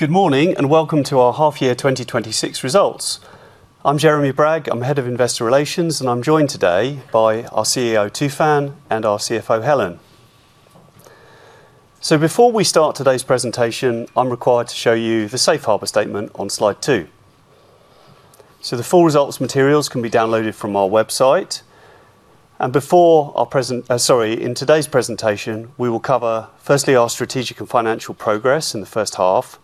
Good morning, and welcome to our half-year 2026 results. I am Jeremy Bragg, Head of Investor Relations, and I am joined today by our CEO, Tufan, and our CFO, Helen. Before we start today's presentation, I am required to show you the safe harbor statement on slide two. The full results materials can be downloaded from our website. In today's presentation, we will cover, firstly, our strategic and financial progress in the first half,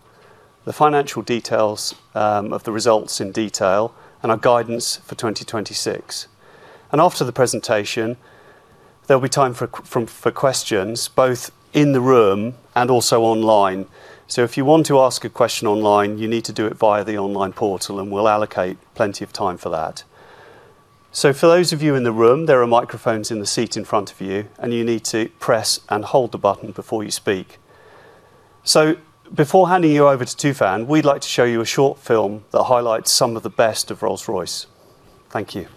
the financial details of the results in detail, and our guidance for 2026. After the presentation, there will be time for questions, both in the room and also online. If you want to ask a question online, you need to do it via the online portal, and we will allocate plenty of time for that. For those of you in the room, there are microphones in the seat in front of you, and you need to press and hold the button before you speak. Before handing you over to Tufan, we would like to show you a short film that highlights some of the best of Rolls-Royce. Thank you.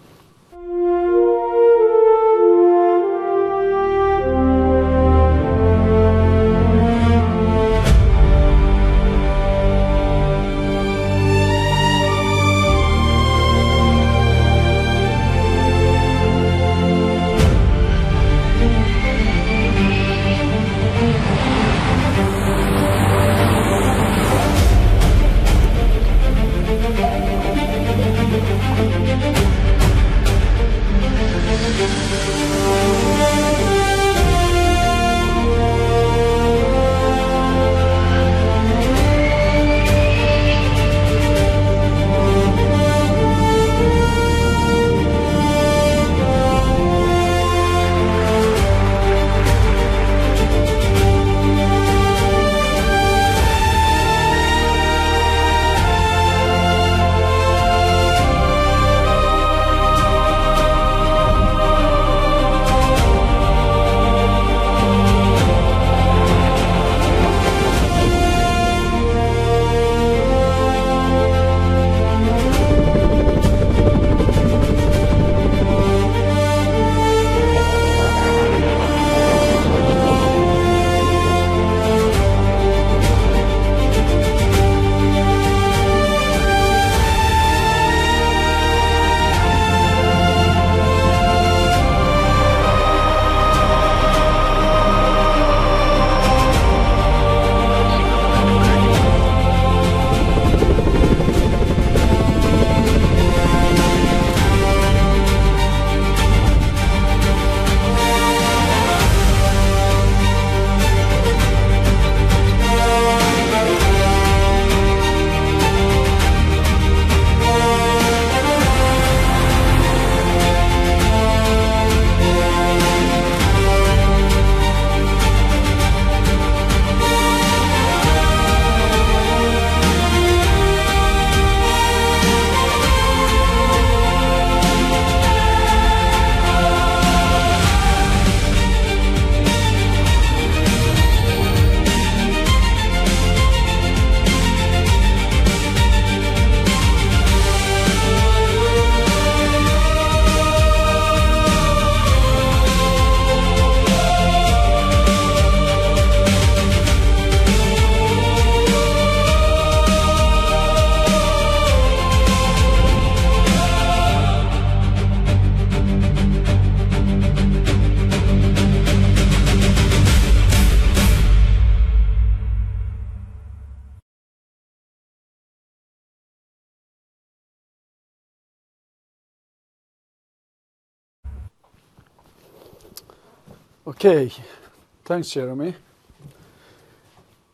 Thanks, Jeremy.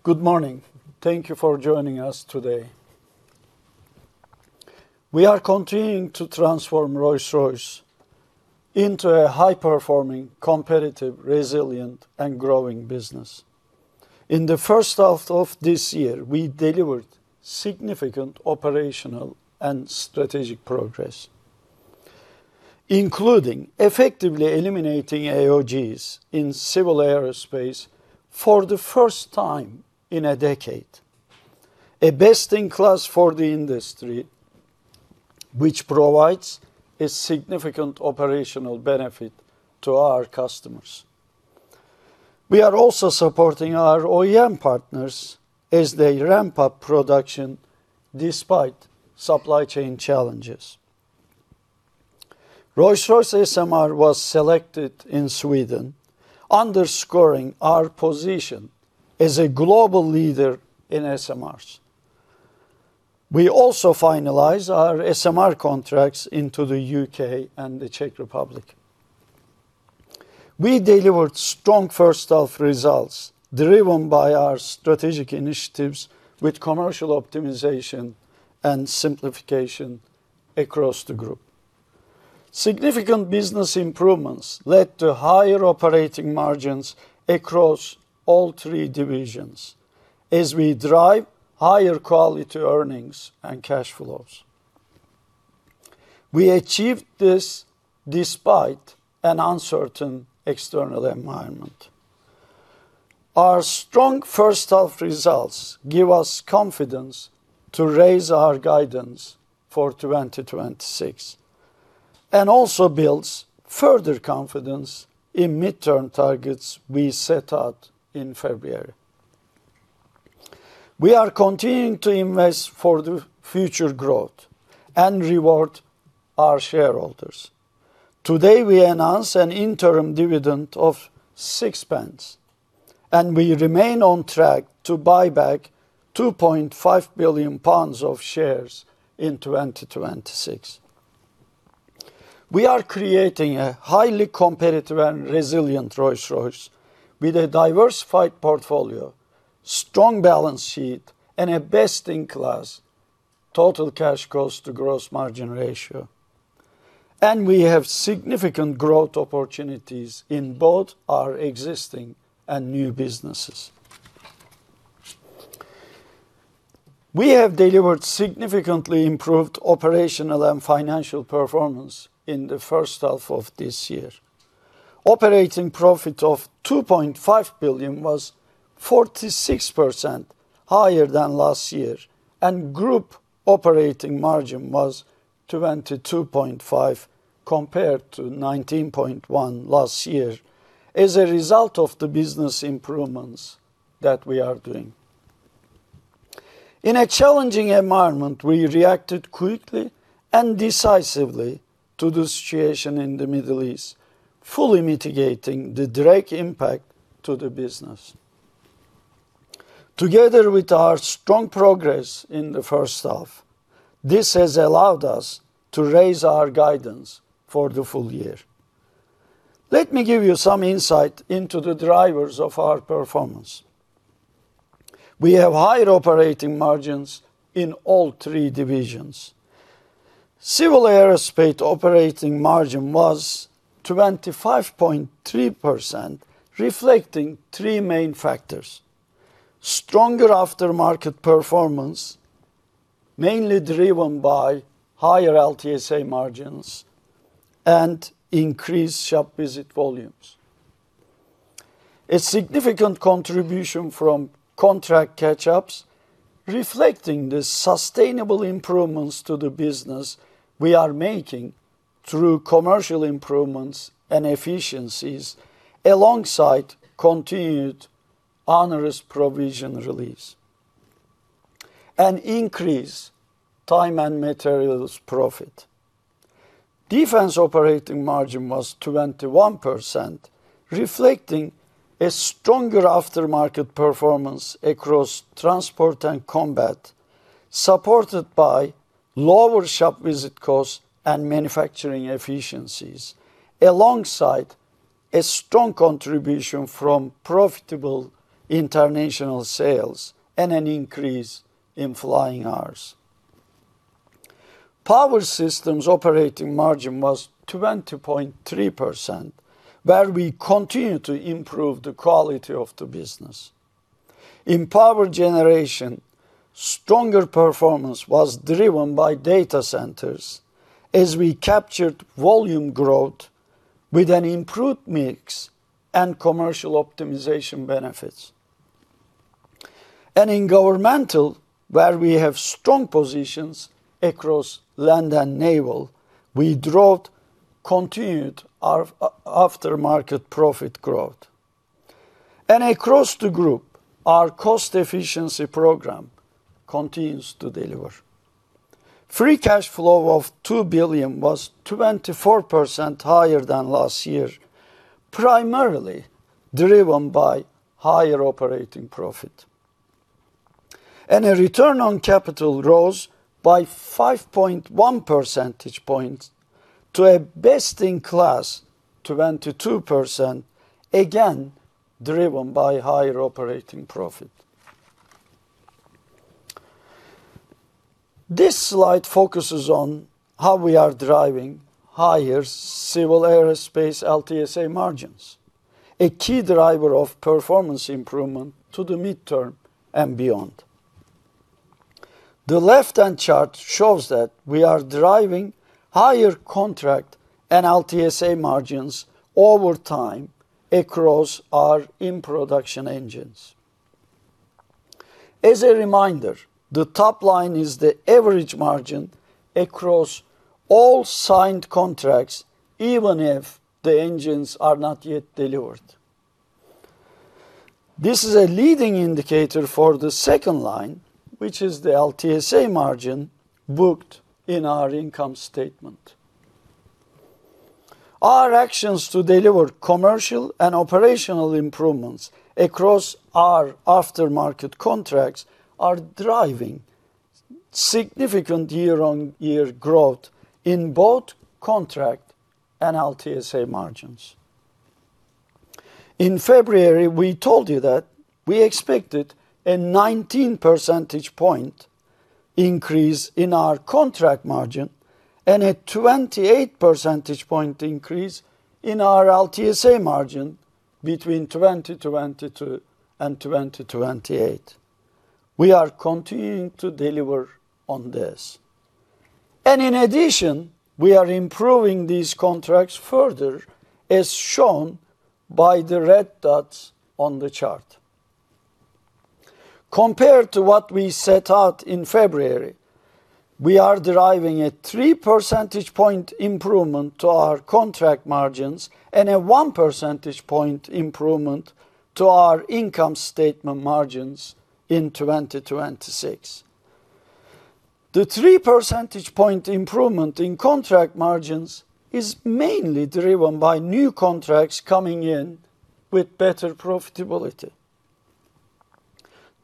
Good morning. Thank you for joining us today. We are continuing to transform Rolls-Royce into a high-performing, competitive, resilient, and growing business. In the first half of this year, we delivered significant operational and strategic progress, including effectively eliminating AOGs in Civil Aerospace for the first time in a decade. A best-in-class for the industry, which provides a significant operational benefit to our customers. We are also supporting our OEM partners as they ramp up production despite supply chain challenges. Rolls-Royce SMR was selected in Sweden, underscoring our position as a global leader in SMRs. We also finalized our SMR contracts into the U.K. and the Czech Republic. We delivered strong first-half results driven by our strategic initiatives with commercial optimization and simplification across the group. Significant business improvements led to higher operating margins across all three divisions as we drive higher quality earnings and cash flows. We achieved this despite an uncertain external environment. Our strong first-half results give us confidence to raise our guidance for 2026 and also builds further confidence in mid-term targets we set out in February. We are continuing to invest for the future growth and reward our shareholders. Today, we announce an interim dividend of 0.06, and we remain on track to buyback 2.5 billion pounds of shares in 2026. We are creating a highly competitive and resilient Rolls-Royce with a diversified portfolio, strong balance sheet, and a best-in-class total cash cost to gross margin ratio. We have significant growth opportunities in both our existing and new businesses. We have delivered significantly improved operational and financial performance in the first half of this year. Operating profit of 2.5 billion was 46% higher than last year. Group operating margin was 22.5%, compared to 19.1% last year as a result of the business improvements that we are doing. In a challenging environment, we reacted quickly and decisively to the situation in the Middle East, fully mitigating the direct impact to the business. Together with our strong progress in the first half, this has allowed us to raise our guidance for the full year. Let me give you some insight into the drivers of our performance. We have higher operating margins in all three divisions. Civil Aerospace operating margin was 25.3%, reflecting three main factors. Stronger aftermarket performance, mainly driven by higher LTSA margins and increased shop visit volumes. A significant contribution from contract catch-ups reflecting the sustainable improvements to the business we are making through commercial improvements and efficiencies, alongside continued onerous provision release, and increased time and materials profit. Defence operating margin was 21%, reflecting a stronger aftermarket performance across transport and combat, supported by lower shop visit costs and manufacturing efficiencies, alongside a strong contribution from profitable international sales and an increase in flying hours. Power Systems operating margin was 20.3%, where we continue to improve the quality of the business. In power generation, stronger performance was driven by data centers as we captured volume growth with an improved mix and commercial optimization benefits. In governmental, where we have strong positions across land and naval, we drove continued aftermarket profit growth. Across the group, our cost efficiency program continues to deliver. Free cash flow of 2 billion was 24% higher than last year, primarily driven by higher operating profit. A return on capital rose by 5.1 percentage points to a best-in-class 22%, again driven by higher operating profit. This slide focuses on how we are driving higher Civil Aerospace LTSA margins, a key driver of performance improvement to the midterm and beyond. The left-hand chart shows that we are driving higher contract and LTSA margins over time across our in-production engines. As a reminder, the top line is the average margin across all signed contracts, even if the engines are not yet delivered. This is a leading indicator for the second line, which is the LTSA margin booked in our income statement. Our actions to deliver commercial and operational improvements across our aftermarket contracts are driving significant year-on-year growth in both contract and LTSA margins. In February, we told you that we expected a 19 percentage point increase in our contract margin and a 28 percentage point increase in our LTSA margin between 2022 and 2028. We are continuing to deliver on this. In addition, we are improving these contracts further, as shown by the red dots on the chart. Compared to what we set out in February, we are deriving a three percentage point improvement to our contract margins and a 1 percentage point improvement to our income statement margins in 2026. The three percentage point improvement in contract margins is mainly driven by new contracts coming in with better profitability.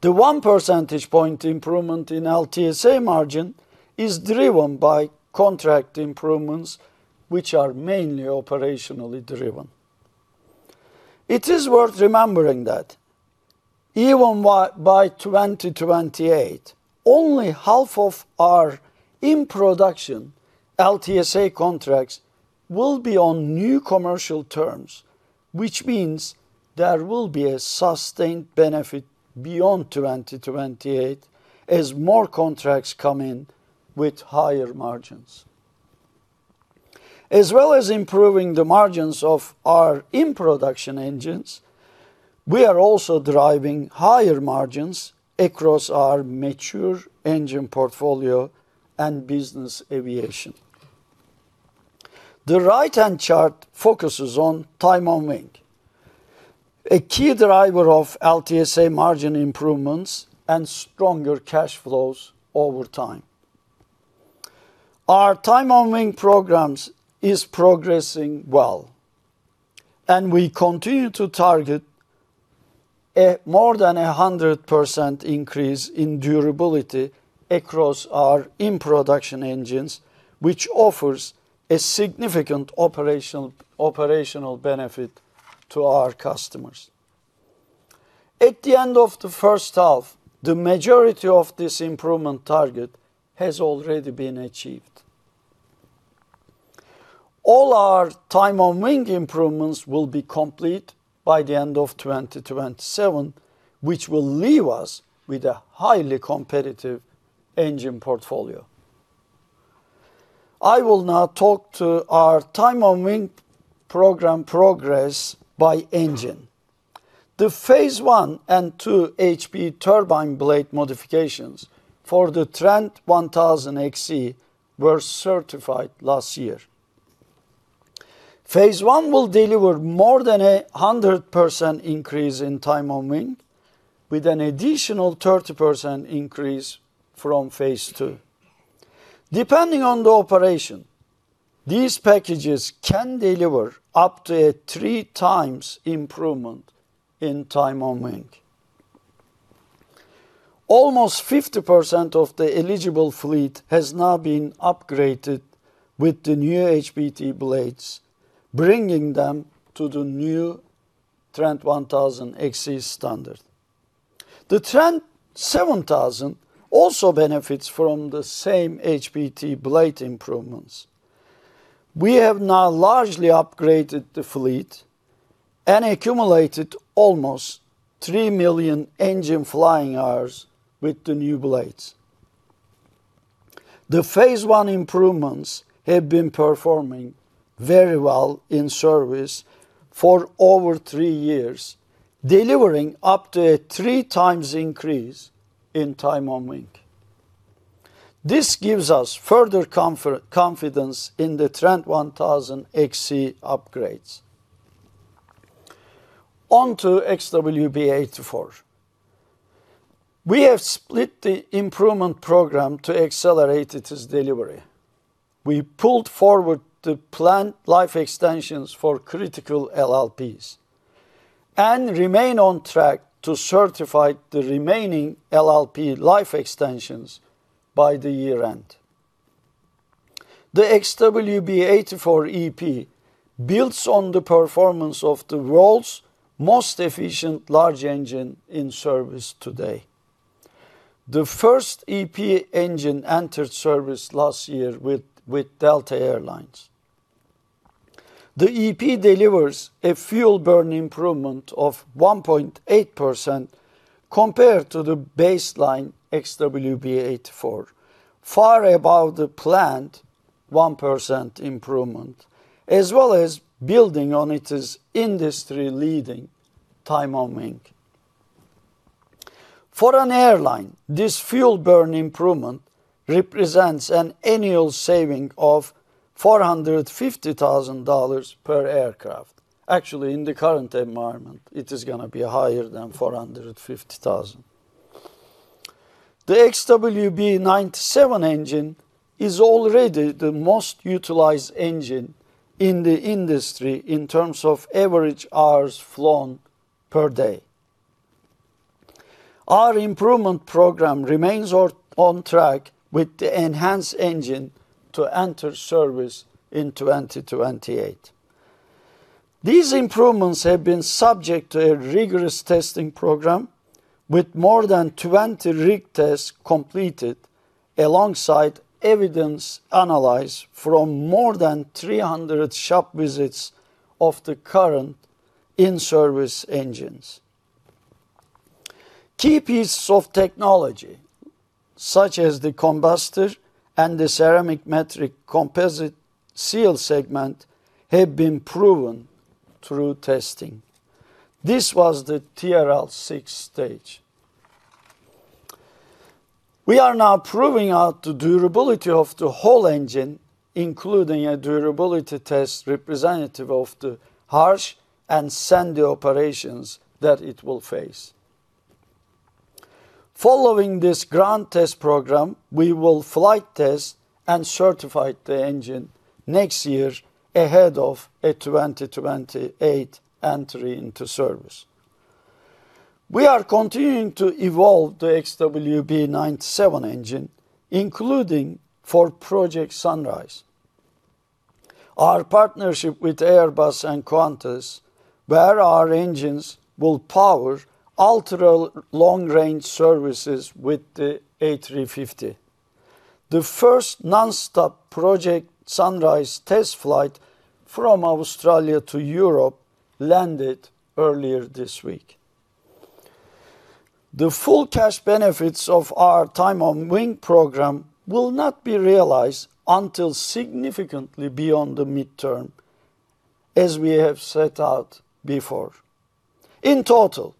The 1 percentage point improvement in LTSA margin is driven by contract improvements, which are mainly operationally driven. It is worth remembering that even by 2028, only half of our in-production LTSA contracts will be on new commercial terms, which means there will be a sustained benefit beyond 2028 as more contracts come in with higher margins. As well as improving the margins of our in-production engines, we are also driving higher margins across our mature engine portfolio and business aviation. The right-hand chart focuses on time on wing, a key driver of LTSA margin improvements and stronger cash flows over time. Our time on wing programs is progressing well, and we continue to target more than 100% increase in durability across our in-production engines, which offers a significant operational benefit to our customers. At the end of the first half, the majority of this improvement target has already been achieved. All our time on wing improvements will be complete by the end of 2027, which will leave us with a highly competitive engine portfolio. I will now talk to our time on wing program progress by engine. The phase I and II HP turbine blade modifications for the Trent 1000 XE were certified last year. Phase I will deliver more than 100% increase in time on wing, with an additional 30% increase from phase II. Depending on the operation, these packages can deliver up to a 3x improvement in time on wing. Almost 50% of the eligible fleet has now been upgraded with the new HPT blades, bringing them to the new Trent 1000 XE standard. The Trent 7000 also benefits from the same HPT blade improvements. We have now largely upgraded the fleet and accumulated almost 3 million engine flying hours with the new blades. The phase I improvements have been performing very well in service for over three years, delivering up to a 3x increase in time on wing. This gives us further confidence in the Trent 1000 XE upgrades. On to XWB-84. We have split the improvement program to accelerate its delivery. We pulled forward the planned life extensions for critical LLPs and remain on track to certify the remaining LLP life extensions by the year-end. The XWB-84 EP builds on the performance of the world's most efficient large engine in service today. The first EP engine entered service last year with Delta Air Lines. The EP delivers a fuel burn improvement of 1.8% compared to the baseline XWB-84, far above the planned 1% improvement, as well as building on its industry-leading time on wing. For an airline, this fuel burn improvement represents an annual saving of $450,000 per aircraft. In the current environment, it is going to be higher than $450,000. The XWB-97 engine is already the most utilized engine in the industry in terms of average hours flown per day. Our improvement program remains on track, with the enhanced engine to enter service in 2028. These improvements have been subject to a rigorous testing program, with more than 20 rig tests completed, alongside evidence analyzed from more than 300 shop visits of the current in-service engines. Key pieces of technology such as the combustor and the ceramic matrix composite seal segment have been proven through testing. This was the TRL6 stage. We are now proving out the durability of the whole engine, including a durability test representative of the harsh and sandy operations that it will face. Following this ground test program, we will flight test and certify the engine next year ahead of a 2028 entry into service. We are continuing to evolve the Trent XWB-97 engine, including for Project Sunrise, our partnership with Airbus and Qantas, where our engines will power ultra-long-range services with the Airbus A350. The first non-stop Project Sunrise test flight from Australia to Europe landed earlier this week. The full cash benefits of our Time on Wing program will not be realized until significantly beyond the midterm, as we have set out before. In total,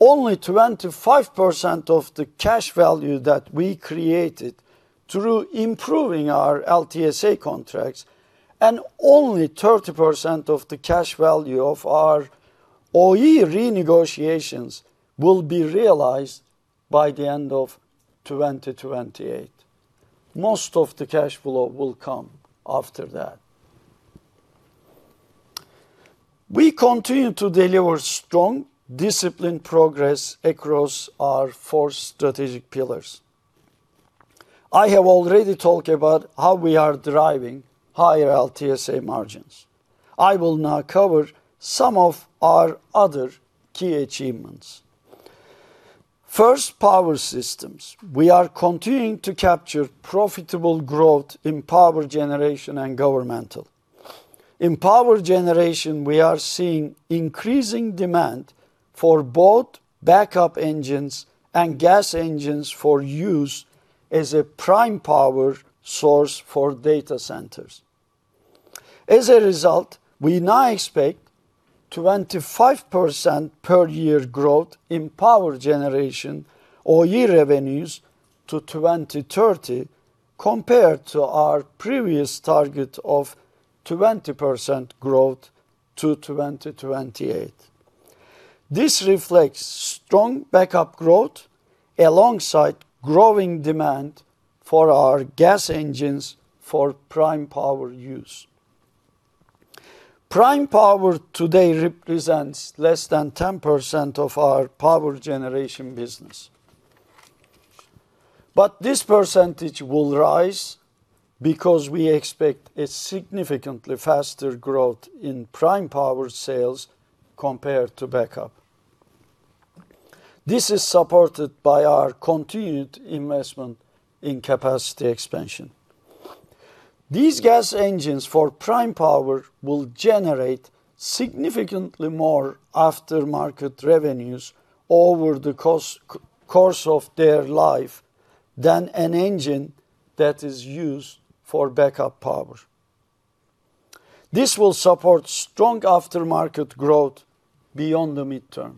only 25% of the cash value that we created through improving our LTSA contracts and only 30% of the cash value of our OE renegotiations will be realized by the end of 2028. Most of the cash flow will come after that. We continue to deliver strong, disciplined progress across our four strategic pillars. I have already talked about how we are driving higher LTSA margins. I will now cover some of our other key achievements. First, Power Systems. We are continuing to capture profitable growth in power generation and governmental. In power generation, we are seeing increasing demand for both backup engines and gas engines for use as a prime power source for data centers. As a result, we now expect 25% per year growth in power generation OE revenues to 2030, compared to our previous target of 20% growth to 2028. This reflects strong backup growth alongside growing demand for our gas engines for prime power use. Prime power today represents less than 10% of our power generation business. This percentage will rise because we expect a significantly faster growth in prime power sales compared to backup. This is supported by our continued investment in capacity expansion. These gas engines for prime power will generate significantly more aftermarket revenues over the course of their life than an engine that is used for backup power. This will support strong aftermarket growth beyond the midterm.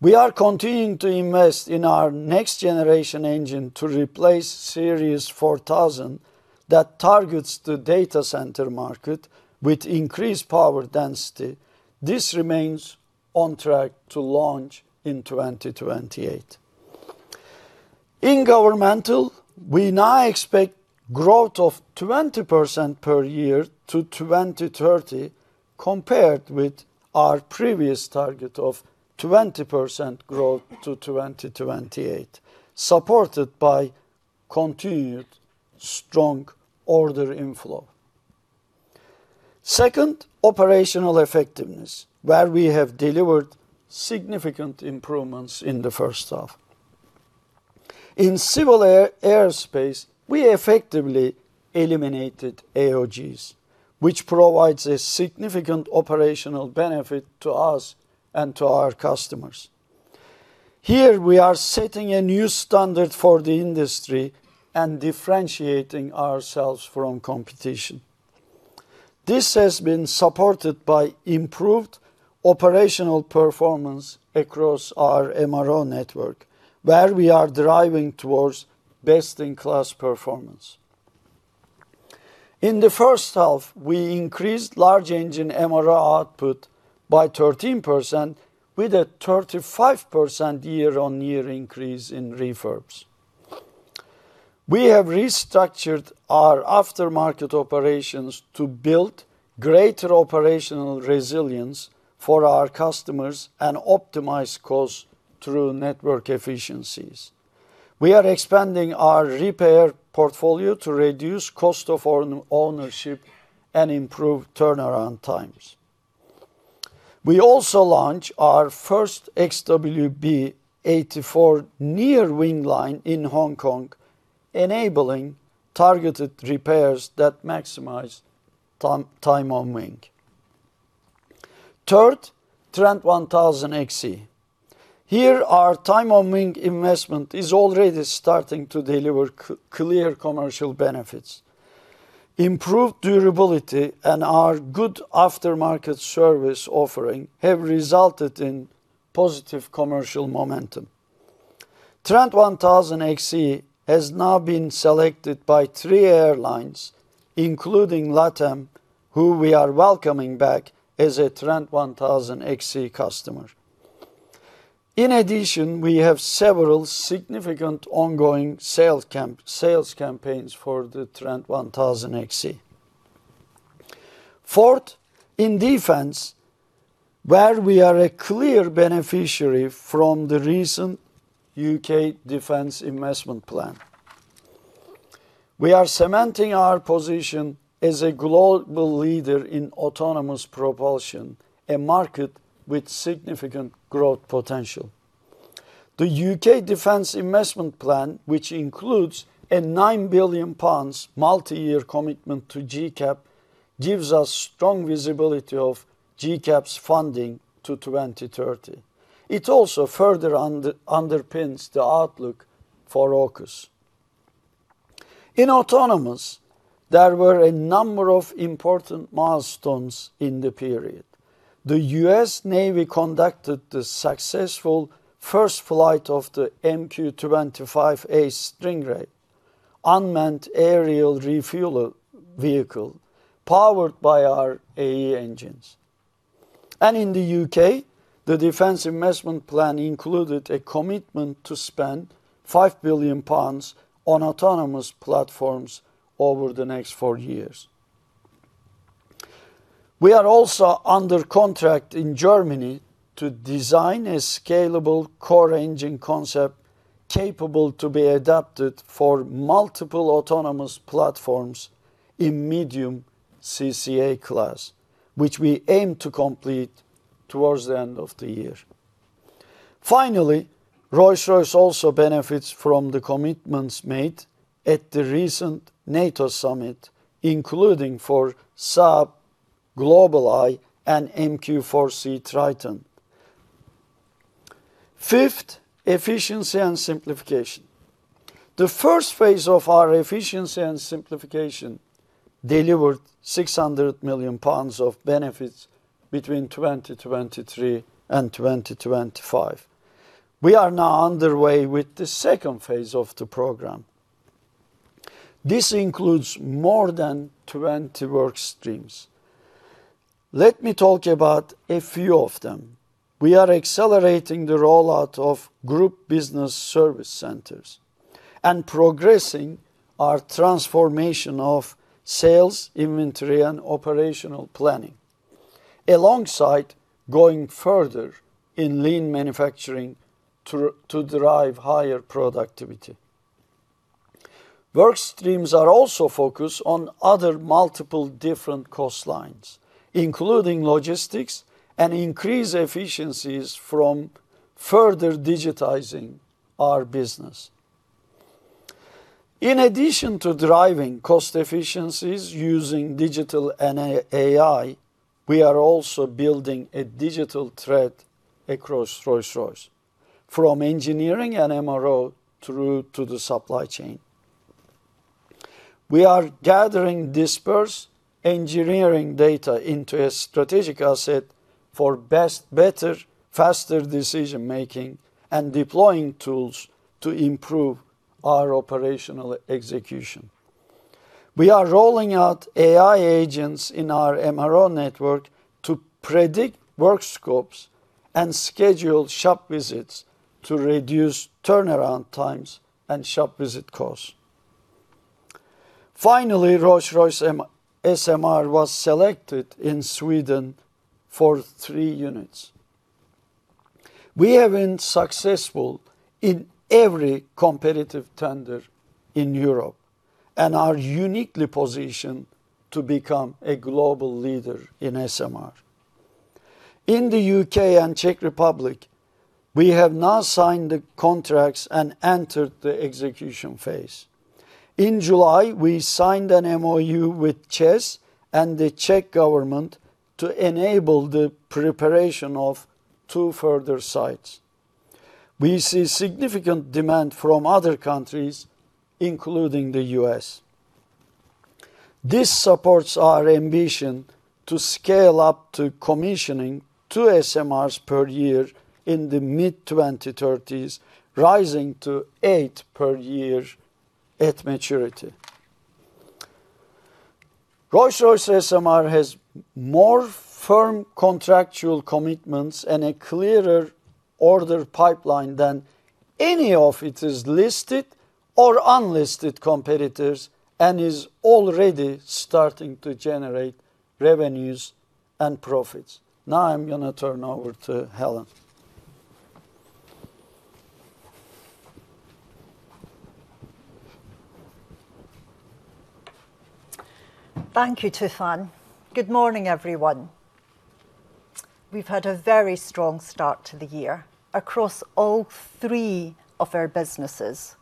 We are continuing to invest in our next-generation engine to replace Series 4000 that targets the data center market with increased power density. This remains on track to launch in 2028. In governmental, we now expect growth of 20% per year to 2030, compared with our previous target of 20% growth to 2028, supported by continued strong order inflow. Second, operational effectiveness, where we have delivered significant improvements in the first half. In Civil Aerospace, we effectively eliminated AOGs, which provides a significant operational benefit to us and to our customers. Here, we are setting a new standard for the industry and differentiating ourselves from competition. This has been supported by improved operational performance across our MRO network, where we are driving towards best-in-class performance. In the first half, we increased large engine MRO output by 13%, with a 35% year-on-year increase in refurbs. We have restructured our aftermarket operations to build greater operational resilience for our customers and optimize costs through network efficiencies. We are expanding our repair portfolio to reduce cost of ownership and improve turnaround times. We also launched our first Trent XWB-84 near wing line in Hong Kong, enabling targeted repairs that maximize time on wing. Third, Trent 1000XE. Here, our time on wing investment is already starting to deliver clear commercial benefits. Improved durability and our good aftermarket service offering have resulted in positive commercial momentum. Trent 1000XE has now been selected by three airlines, including LATAM Airlines, who we are welcoming back as a Trent 1000XE customer. In addition, we have several significant ongoing sales campaigns for the Trent 1000 XE. Fourth, in Defence, where we are a clear beneficiary from the recent UK Defence Investment Plan. We are cementing our position as a global leader in autonomous propulsion, a market with significant growth potential. The UK Defence Investment Plan, which includes a 9 billion pounds multi-year commitment to GCAP, gives us strong visibility of GCAP's funding to 2030. It also further underpins the outlook for AUKUS. In autonomous, there were a number of important milestones in the period. The US Navy conducted the successful first flight of the MQ-25A Stingray unmanned aerial refuel vehicle, powered by our AE engines. In the U.K., the Defence Investment Plan included a commitment to spend 5 billion pounds on autonomous platforms over the next four years. We are also under contract in Germany to design a scalable core engine concept capable to be adapted for multiple autonomous platforms in medium CCA class, which we aim to complete towards the end of the year. Finally, Rolls-Royce also benefits from the commitments made at the recent NATO summit, including for Saab, GlobalEye, and MQ-4C Triton. Fifth, efficiency and simplification. The first phase of our efficiency and simplification delivered 600 million pounds of benefits between 2023 and 2025. We are now underway with the second phase of the program. This includes more than 20 work streams. Let me talk about a few of them. We are accelerating the rollout of group business service centers and progressing our transformation of sales, inventory, and operational planning, alongside going further in lean manufacturing to derive higher productivity. Work streams are also focused on other multiple different cost lines, including logistics and increased efficiencies from further digitizing our business. In addition to driving cost efficiencies using digital and AI, we are also building a digital thread across Rolls-Royce from engineering and MRO through to the supply chain. We are gathering dispersed engineering data into a strategic asset for better, faster decision-making and deploying tools to improve our operational execution. We are rolling out AI agents in our MRO network to predict work scopes and schedule shop visits to reduce turnaround times and shop visit costs. Finally, Rolls-Royce SMR was selected in Sweden for three units. We have been successful in every competitive tender in Europe and are uniquely positioned to become a global leader in SMR. In the U.K. and Czech Republic, we have now signed the contracts and entered the execution phase. In July, we signed an MoU with ČEZ and the Czech government to enable the preparation of two further sites. We see significant demand from other countries, including the U.S. This supports our ambition to scale up to commissioning two SMRs per year in the mid-2030s, rising to eight per year at maturity. Rolls-Royce SMR has more firm contractual commitments and a clearer order pipeline than any of its listed or unlisted competitors and is already starting to generate revenues and profits. Now I'm going to turn over to Helen. Thank you, Tufan. Good morning, everyone. We've had a very strong start to the year across all three of our businesses.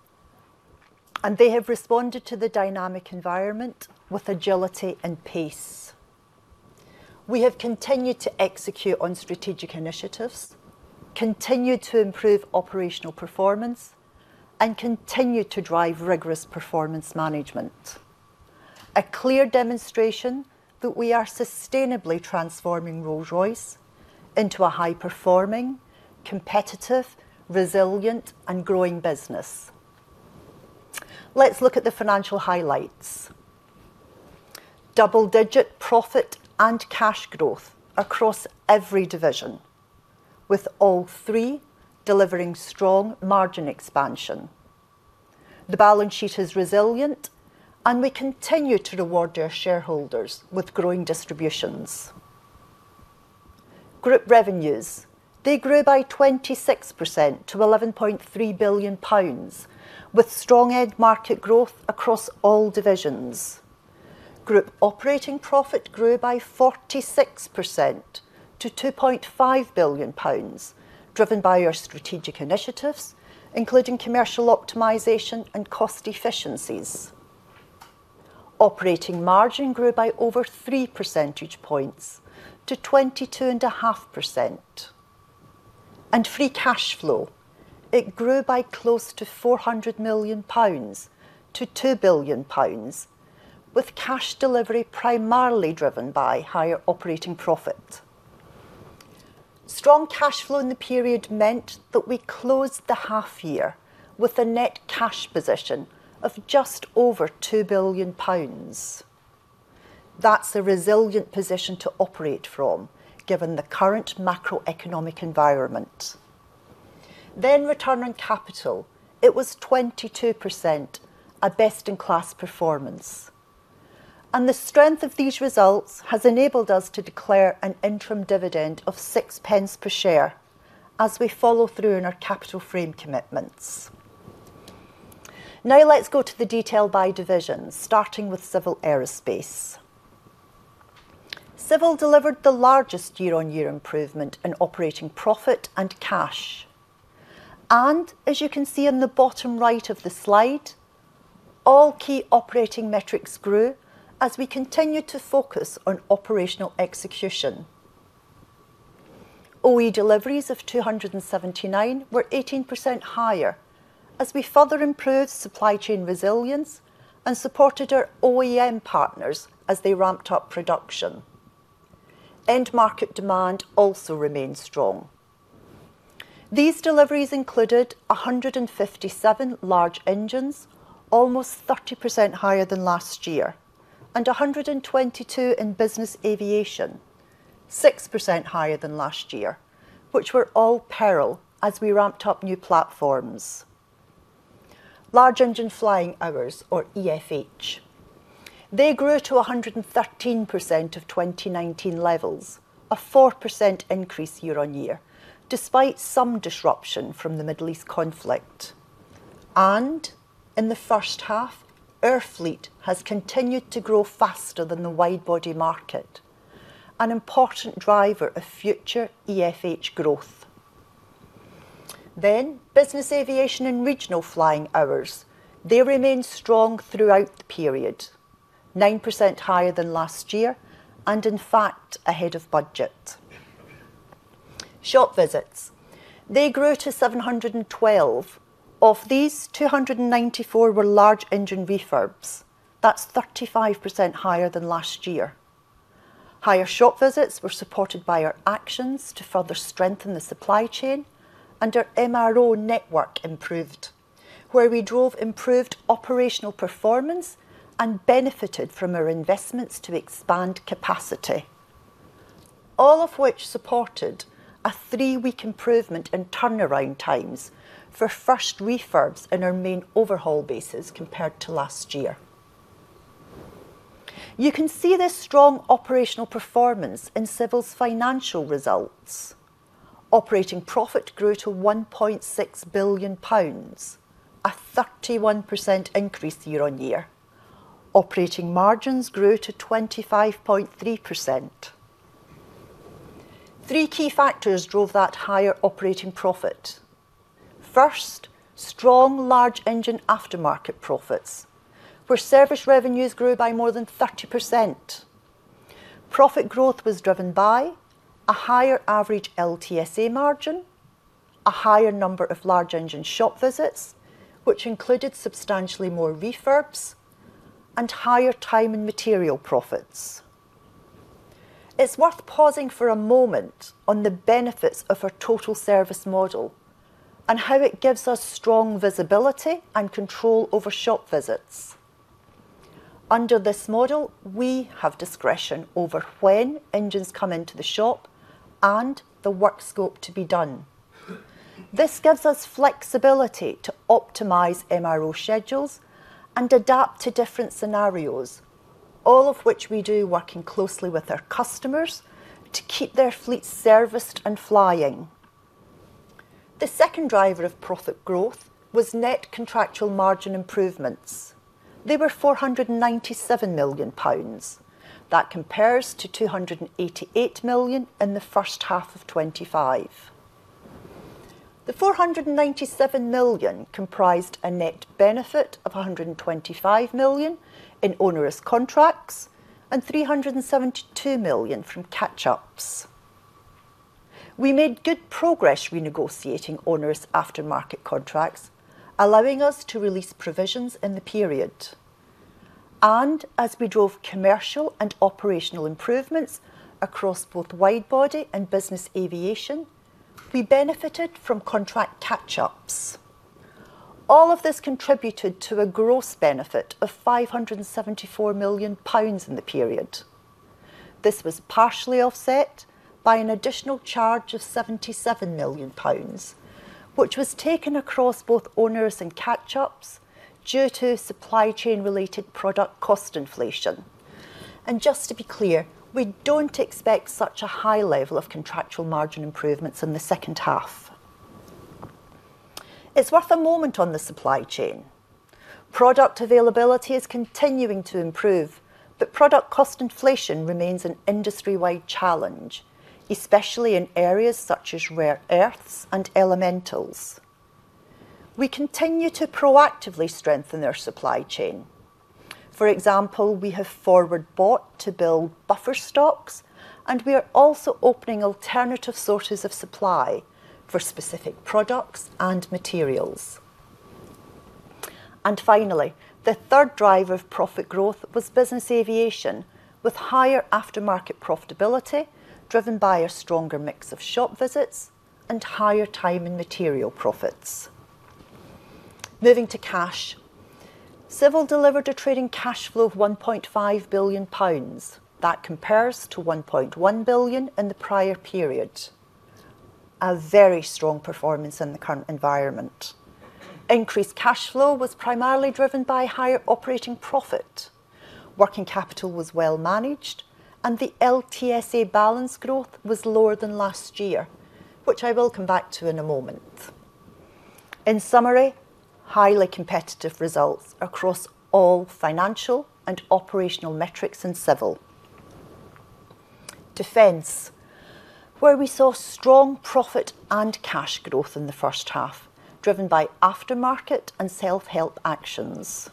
They have responded to the dynamic environment with agility and pace. We have continued to execute on strategic initiatives, continued to improve operational performance, and continued to drive rigorous performance management. A clear demonstration that we are sustainably transforming Rolls-Royce into a high-performing, competitive, resilient, and growing business. Let's look at the financial highlights. Double-digit profit and cash growth across every division, with all three delivering strong margin expansion. The balance sheet is resilient, and we continue to reward our shareholders with growing distributions. Group revenues, they grew by 26% to 11.3 billion pounds with strong end market growth across all divisions. Group operating profit grew by 46% to 2.5 billion pounds, driven by our strategic initiatives, including commercial optimization and cost efficiencies. Operating margin grew by over 3 percentage points to 22.5%. Free cash flow, it grew by close to 400 million-2 billion pounds, with cash delivery primarily driven by higher operating profit. Strong cash flow in the period meant that we closed the half year with a net cash position of just over 2 billion pounds. That's the resilient position to operate from given the current macroeconomic environment. Return on capital, it was 22%, a best-in-class performance. The strength of these results has enabled us to declare an interim dividend of 0.06 per share as we follow through on our capital frame commitments. Now let's go to the detail by division, starting with Civil Aerospace. Civil delivered the largest year-on-year improvement in operating profit and cash. As you can see in the bottom right of the slide, all key operating metrics grew as we continued to focus on operational execution. OE deliveries of 279 were 18% higher as we further improved supply chain resilience and supported our OEM partners as they ramped up production. End-market demand also remained strong. These deliveries included 157 large engines, almost 30% higher than last year, and 122 in business aviation, 6% higher than last year, which were all Pearl as we ramped up new platforms. Large engine flying hours or EFH. They grew to 113% of 2019 levels, a 4% increase year-on-year, despite some disruption from the Middle East conflict. In the first half, our fleet has continued to grow faster than the wide-body market, an important driver of future EFH growth. Business aviation and regional flying hours. They remained strong throughout the period, 9% higher than last year and in fact, ahead of budget. Shop visits. They grew to 712. Of these, 294 were large engine refurbs. That's 35% higher than last year. Higher shop visits were supported by our actions to further strengthen the supply chain and our MRO network improved, where we drove improved operational performance and benefited from our investments to expand capacity. All of which supported a three-week improvement in turnaround times for first refurbs in our main overhaul bases compared to last year. You can see this strong operational performance in Civil's financial results. Operating profit grew to 1.6 billion pounds, a 31% increase year-on-year. Operating margins grew to 25.3%. Three key factors drove that higher operating profit. First, strong large engine aftermarket profits where service revenues grew by more than 30%. Profit growth was driven by a higher average LTSA margin, a higher number of large engine shop visits, which included substantially more refurbs and higher time and material profits. It is worth pausing for a moment on the benefits of our total service model and how it gives us strong visibility and control over shop visits. Under this model, we have discretion over when engines come into the shop and the work scope to be done. This gives us flexibility to optimize MRO schedules and adapt to different scenarios, all of which we do working closely with our customers to keep their fleet serviced and flying. The second driver of profit growth was net contractual margin improvements. They were 497 million pounds. That compares to 288 million in the first half of 2025. The 497 million comprised a net benefit of 125 million in onerous contracts and 372 million from catch-ups. We made good progress renegotiating onerous after-market contracts, allowing us to release provisions in the period. As we drove commercial and operational improvements across both widebody and business aviation, we benefited from contract catch-ups. All of this contributed to a gross benefit of 574 million pounds in the period. This was partially offset by an additional charge of 77 million pounds, which was taken across both onerous and catch-ups due to supply chain related product cost inflation. Just to be clear, we do not expect such a high level of contractual margin improvements in the second half. It is worth a moment on the supply chain. Product availability is continuing to improve, but product cost inflation remains an industry-wide challenge, especially in areas such as rare earths and elementals. We continue to proactively strengthen our supply chain. For example, we have forward bought to build buffer stocks, and we are also opening alternative sources of supply for specific products and materials. Finally, the third driver of profit growth was business aviation, with higher aftermarket profitability, driven by a stronger mix of shop visits and higher time and material profits. Moving to cash. Civil delivered a trading cash flow of 1.5 billion pounds. That compares to 1.1 billion in the prior period. A very strong performance in the current environment. Increased cash flow was primarily driven by higher operating profit. Working capital was well managed, and the LTSA balance growth was lower than last year, which I will come back to in a moment. In summary, highly competitive results across all financial and operational metrics in Civil. Defence, where we saw strong profit and cash growth in the first half, driven by aftermarket and self-help actions.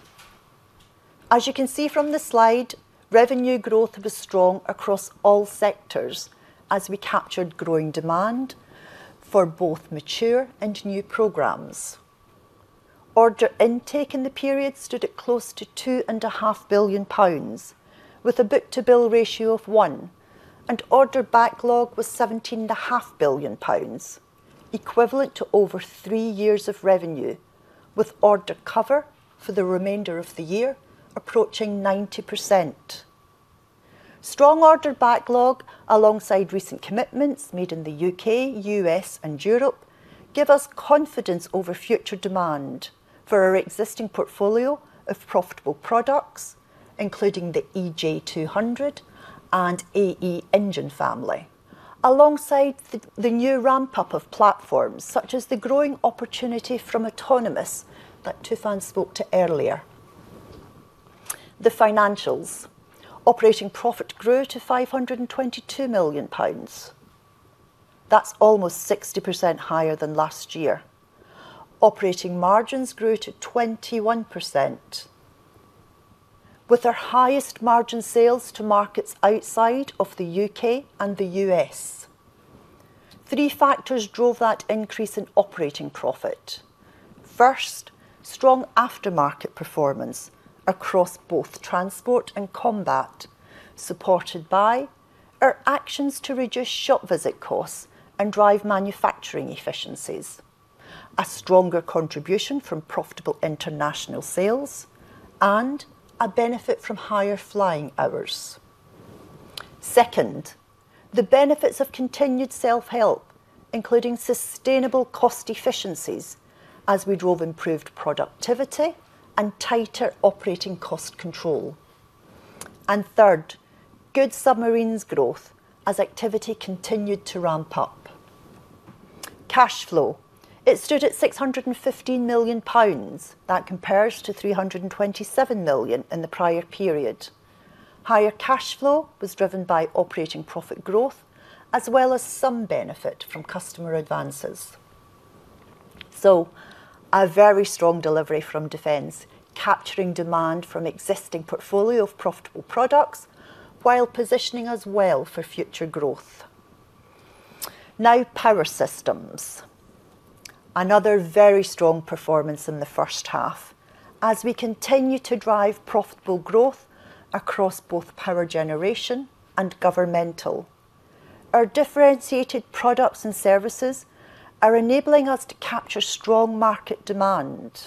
As you can see from the slide, revenue growth was strong across all sectors as we captured growing demand for both mature and new programs. Order intake in the period stood at close to 2.5 billion pounds, with a book-to-bill ratio of one, and order backlog was 17.5 billion pounds, equivalent to over three years of revenue, with order cover for the remainder of the year approaching 90%. Strong order backlog, alongside recent commitments made in the U.K., U.S., and Europe, give us confidence over future demand for our existing portfolio of profitable products, including the EJ200 and AE engine family. Alongside the new ramp-up of platforms, such as the growing opportunity from autonomous that Tufan spoke to earlier. The financials. Operating profit grew to 522 million pounds. That is almost 60% higher than last year. Operating margins grew to 21%, with our highest margin sales to markets outside of the U.K. and the U.S. Three factors drove that increase in operating profit. First, strong aftermarket performance across both transport and combat, supported by our actions to reduce shop visit costs and drive manufacturing efficiencies, a stronger contribution from profitable international sales, and a benefit from higher flying hours. Second, the benefits of continued self-help, including sustainable cost efficiencies as we drove improved productivity and tighter operating cost control. Third, good submarines growth as activity continued to ramp up. Cash flow. It stood at 615 million pounds. That compares to 327 million in the prior period. Higher cash flow was driven by operating profit growth, as well as some benefit from customer advances. A very strong delivery from Defence, capturing demand from existing portfolio of profitable products while positioning us well for future growth. Power Systems. Another very strong performance in the first half as we continue to drive profitable growth across both power generation and Governmental. Our differentiated products and services are enabling us to capture strong market demand.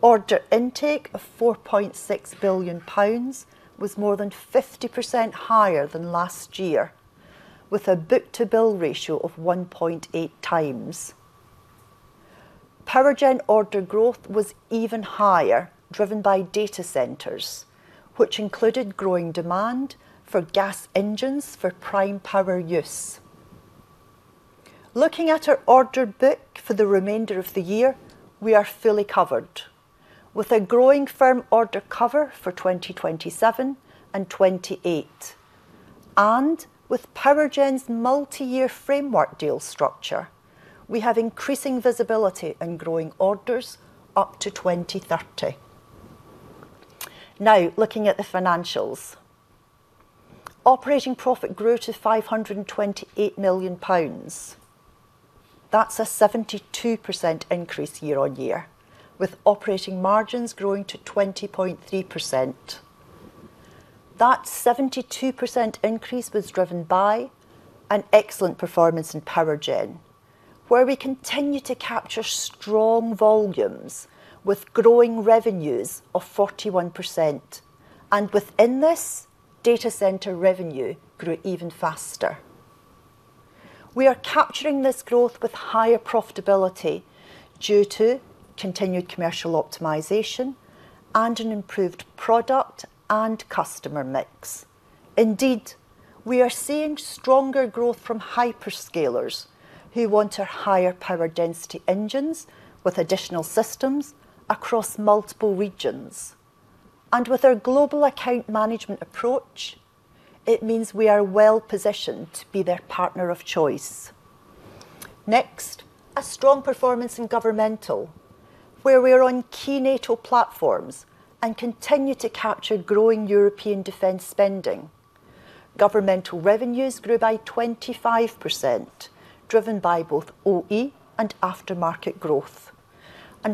Order intake of 4.6 billion pounds was more than 50% higher than last year, with a book-to-bill ratio of 1.8x. Powergen order growth was even higher, driven by data centers, which included growing demand for gas engines for prime power use. Looking at our order book for the remainder of the year, we are fully covered with a growing firm order cover for 2027 and 2028, and with Powergen's multi-year framework deal structure, we have increasing visibility and growing orders up to 2030. Looking at the financials. Operating profit grew to 528 million pounds. That's a 72% increase year-on-year, with operating margins growing to 20.3%. That 72% increase was driven by an excellent performance in Powergen, where we continue to capture strong volumes with growing revenues of 41%. Within this, data center revenue grew even faster. We are capturing this growth with higher profitability due to continued commercial optimization and an improved product and customer mix. Indeed, we are seeing stronger growth from hyperscalers who want our higher power density engines with additional systems across multiple regions. With our global account management approach, it means we are well positioned to be their partner of choice. Next, a strong performance in Governmental, where we are on key NATO platforms and continue to capture growing European Defence spending. Governmental revenues grew by 25%, driven by both OE and aftermarket growth.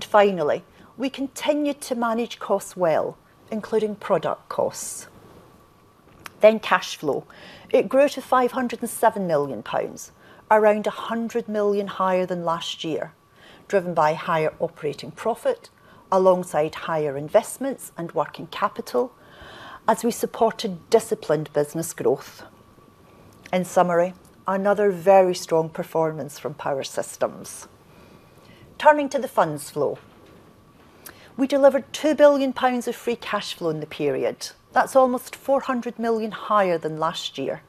Finally, we continued to manage costs well, including product costs. Cash flow. It grew to 507 million pounds, around 100 million higher than last year, driven by higher operating profit alongside higher investments and working capital as we supported disciplined business growth. In summary, another very strong performance from Power Systems. Turning to the funds flow. We delivered 2 billion pounds of free cash flow in the period. That's almost 400 million higher than last year.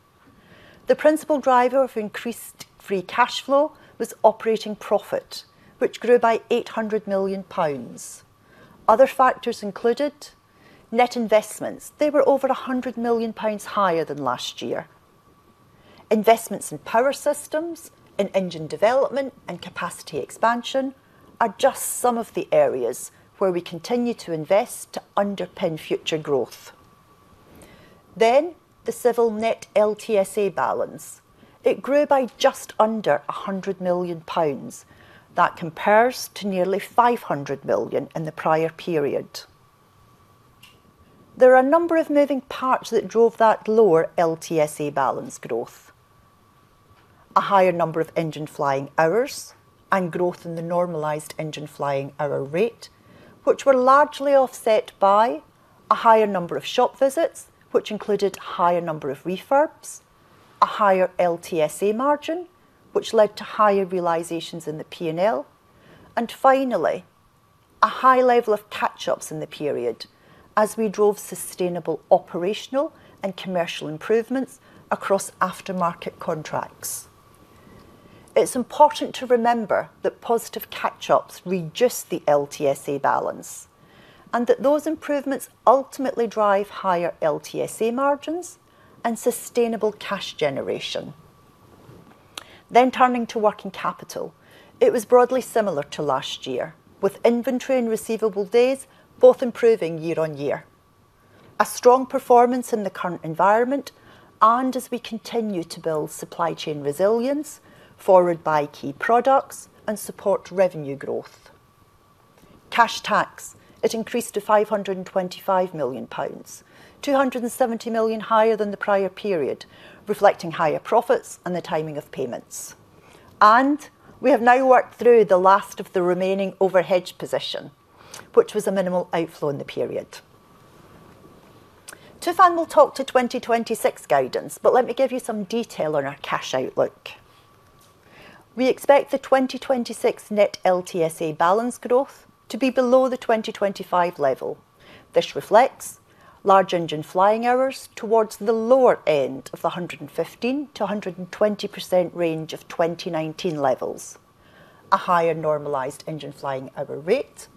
The principal driver of increased free cash flow was operating profit, which grew by 800 million pounds. Other factors included net investments. They were over 100 million pounds higher than last year. Investments in Power Systems, in engine development, and capacity expansion are just some of the areas where we continue to invest to underpin future growth. The Civil net LTSA balance. It grew by just under 100 million pounds. That compares to nearly 500 million in the prior period. There are a number of moving parts that drove that lower LTSE balance growth. A higher number of engine flying hours and growth in the normalized engine flying hour rate, which were largely offset by a higher number of shop visits, which included higher number of refurbs, a higher LTSE margin, which led to higher realizations in the P&L, and finally, a high level of catch-ups in the period as we drove sustainable operational and commercial improvements across aftermarket contracts. It's important to remember that positive catch-ups reduce the LTSE balance, and that those improvements ultimately drive higher LTSE margins and sustainable cash generation. Turning to working capital. It was broadly similar to last year, with inventory and receivable days both improving year-on-year. A strong performance in the current environment and as we continue to build supply chain resilience, forward buy key products, and support revenue growth. Cash tax increased to 525 million pounds, 270 million higher than the prior period, reflecting higher profits and the timing of payments. We have now worked through the last of the remaining overhedge position, which was a minimal outflow in the period. Tufan will talk to 2026 guidance, but let me give you some detail on our cash outlook. We expect the 2026 net LTSE balance growth to be below the 2025 level. This reflects large engine flying hours towards the lower end of the 115%-120% range of 2019 levels, a higher normalized engine flying hour rate,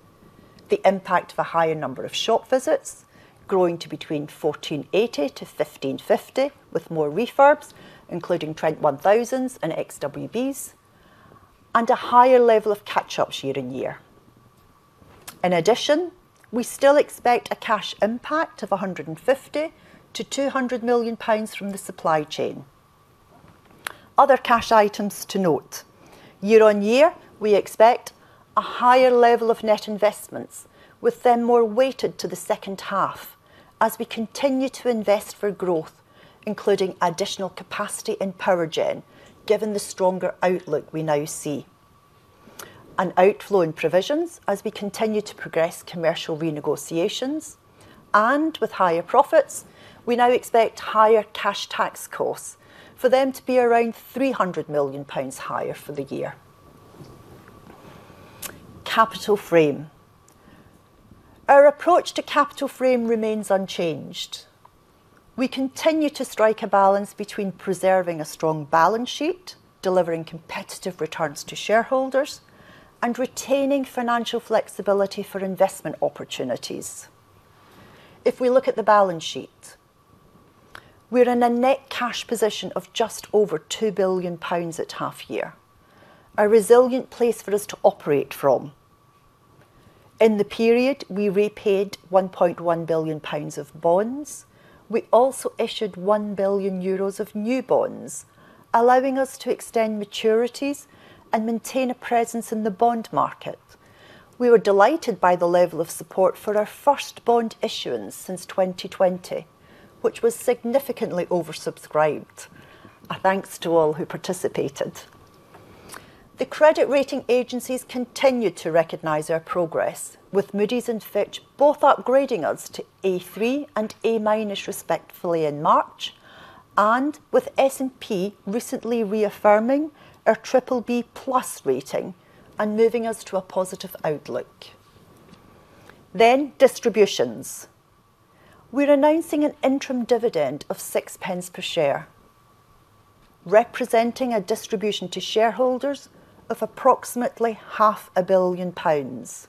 the impact of a higher number of shop visits growing to between 1,480-1,550, with more refurbs, including Trent 1000s and XWBs, and a higher level of catch-ups year-on-year. In addition, we still expect a cash impact of 150 million-200 million pounds from the supply chain. Other cash items to note. Year-on-year, we expect a higher level of net investments, with them more weighted to the second half as we continue to invest for growth, including additional capacity in Powergen, given the stronger outlook we now see. An outflow in provisions as we continue to progress commercial renegotiations. With higher profits, we now expect higher cash tax costs for them to be around 300 million pounds higher for the year. Capital frame. Our approach to capital frame remains unchanged. We continue to strike a balance between preserving a strong balance sheet, delivering competitive returns to shareholders, and retaining financial flexibility for investment opportunities. If we look at the balance sheet, we are in a net cash position of just over 2 billion pounds at half-year, a resilient place for us to operate from. In the period, we repaid 1.1 billion pounds of bonds. We also issued 1 billion euros of new bonds, allowing us to extend maturities and maintain a presence in the bond market. We were delighted by the level of support for our first bond issuance since 2020, which was significantly oversubscribed. A thanks to all who participated. The credit rating agencies continued to recognize our progress with Moody's and Fitch both upgrading us to A3 and A- respectively in March, and with S&P recently reaffirming our BBB+ rating and moving us to a positive outlook. Distributions. We're announcing an interim dividend of 0.06 per share, representing a distribution to shareholders of approximately half a billion GBP.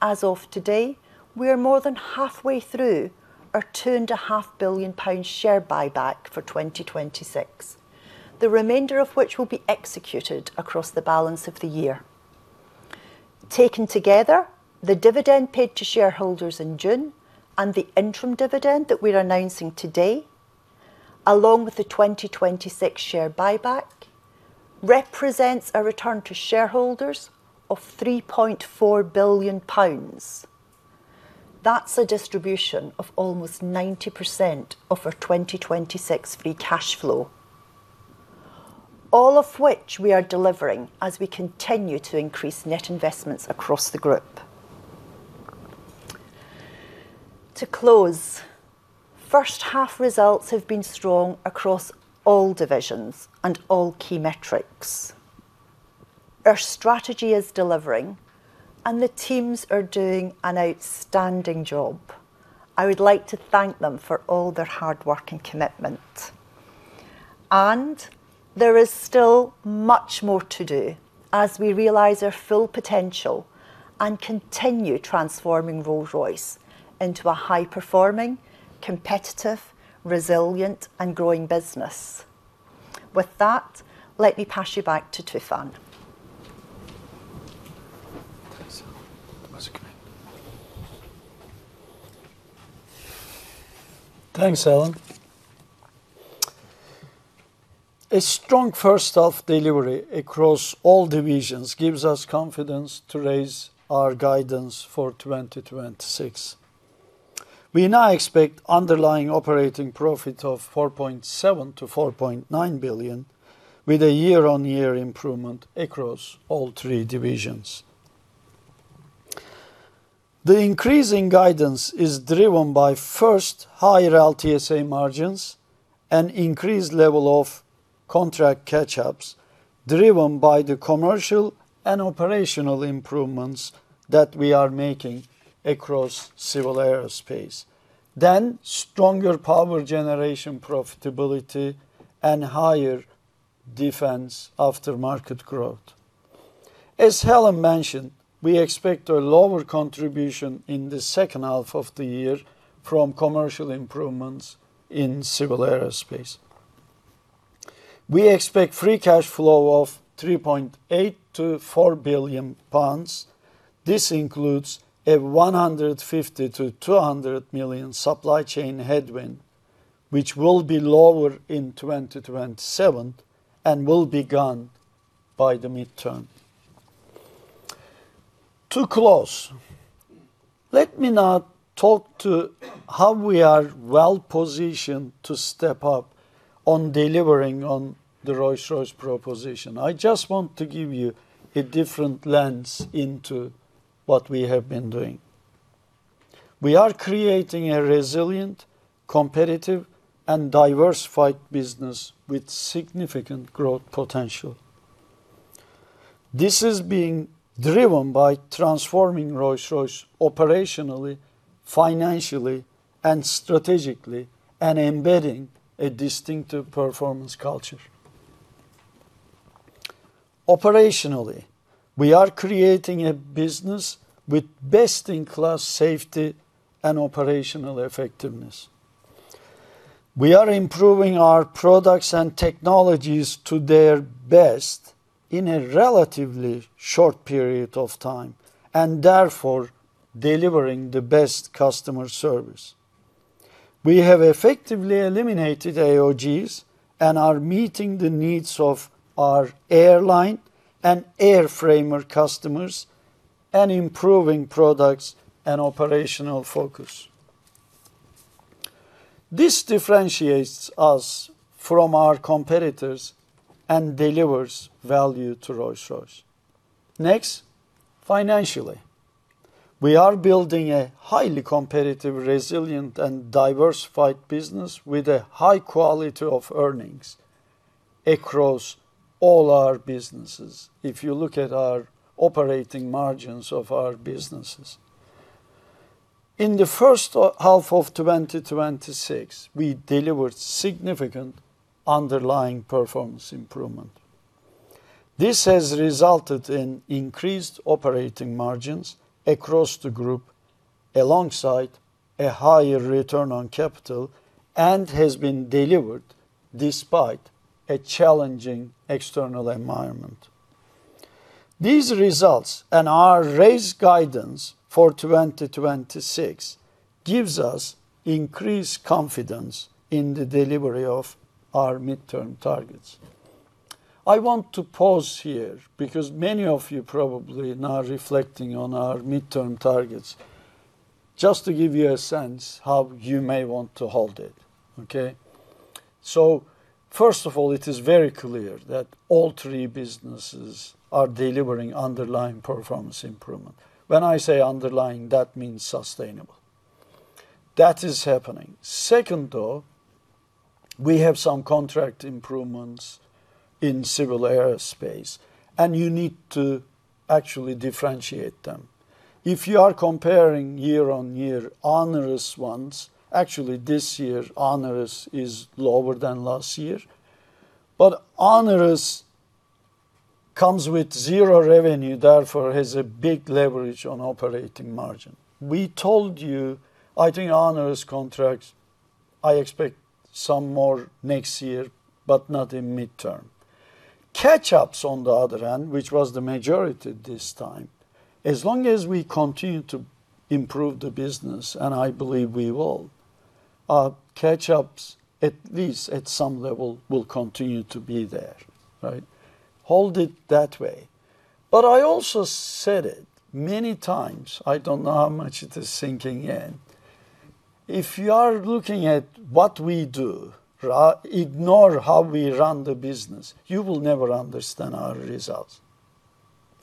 As of today, we are more than halfway through our 2.5 billion pounds share buyback for 2026, the remainder of which will be executed across the balance of the year. Taken together, the dividend paid to shareholders in June and the interim dividend that we're announcing today, along with the 2026 share buyback, represents a return to shareholders of 3.4 billion pounds. That's a distribution of almost 90% of our 2026 free cash flow. All of which we are delivering as we continue to increase net investments across the group. To close, first-half results have been strong across all divisions and all key metrics. Our strategy is delivering, and the teams are doing an outstanding job. I would like to thank them for all their hard work and commitment. There is still much more to do as we realize our full potential and continue transforming Rolls-Royce into a high-performing, competitive, resilient, and growing business. With that, let me pass you back to Tufan. Thanks, Helen. A strong first half delivery across all divisions gives us confidence to raise our guidance for 2026. We now expect underlying operating profit of 4.7 billion-4.9 billion, with a year-over-year improvement across all three divisions. The increase in guidance is driven by, first, higher LTSA margins and increased level of contract catch-ups, driven by the commercial and operational improvements that we are making across Civil Aerospace. Stronger power generation profitability and higher Defence aftermarket growth. As Helen mentioned, we expect a lower contribution in the second half of the year from commercial improvements in Civil Aerospace. We expect free cash flow of 3.8 billion-4 billion pounds. This includes a 150 million-200 million supply chain headwind, which will be lower in 2027 and will be gone by the midterm. To close, let me now talk to how we are well-positioned to step up on delivering on the Rolls-Royce proposition. I just want to give you a different lens into what we have been doing. We are creating a resilient, competitive, and diversified business with significant growth potential. This is being driven by transforming Rolls-Royce operationally, financially, and strategically, and embedding a distinctive performance culture. Operationally, we are creating a business with best-in-class safety and operational effectiveness. We are improving our products and technologies to their best in a relatively short period of time, and therefore, delivering the best customer service. We have effectively eliminated AOGs and are meeting the needs of our airline and airframer customers, and improving products and operational focus. This differentiates us from our competitors and delivers value to Rolls-Royce. Financially. We are building a highly competitive, resilient, and diversified business with a high quality of earnings. Across all our businesses, if you look at our operating margins of our businesses. In the first half of 2026, we delivered significant underlying performance improvement. This has resulted in increased operating margins across the group, alongside a higher return on capital, and has been delivered despite a challenging external environment. These results, and our raised guidance for 2026, gives us increased confidence in the delivery of our midterm targets. I want to pause here because many of you probably are now reflecting on our midterm targets. Just to give you a sense how you may want to hold it. Okay. First of all, it is very clear that all three businesses are delivering underlying performance improvement. When I say underlying, that means sustainable. That is happening. Second, though, we have some contract improvements in Civil Aerospace, you need to actually differentiate them. If you are comparing year-on-year onerous ones, actually this year onerous is lower than last year. Onerous comes with zero revenue, therefore has a big leverage on operating margin. We told you, I think onerous contracts, I expect some more next year, but not in midterm. Catch-ups, on the other hand, which was the majority this time, as long as we continue to improve the business, I believe we will, our catch-ups, at least at some level, will continue to be there. Right? Hold it that way. I also said it many times. I don't know how much it is sinking in. If you are looking at what we do, ignore how we run the business, you will never understand our results.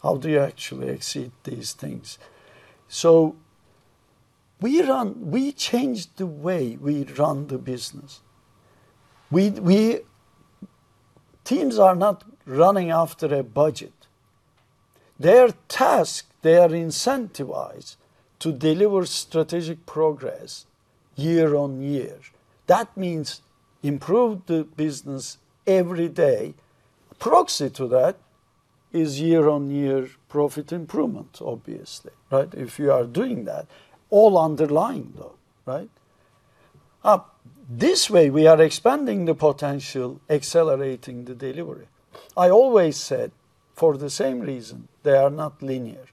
How do you actually exceed these things? We changed the way we run the business. Teams are not running after a budget. They are tasked, they are incentivized, to deliver strategic progress year-on-year. That means improve the business every day. Proxy to that is year-on-year profit improvement, obviously. Right? If you are doing that, all underlying, though, right? This way, we are expanding the potential, accelerating the delivery. I always said, for the same reason, they are not linear.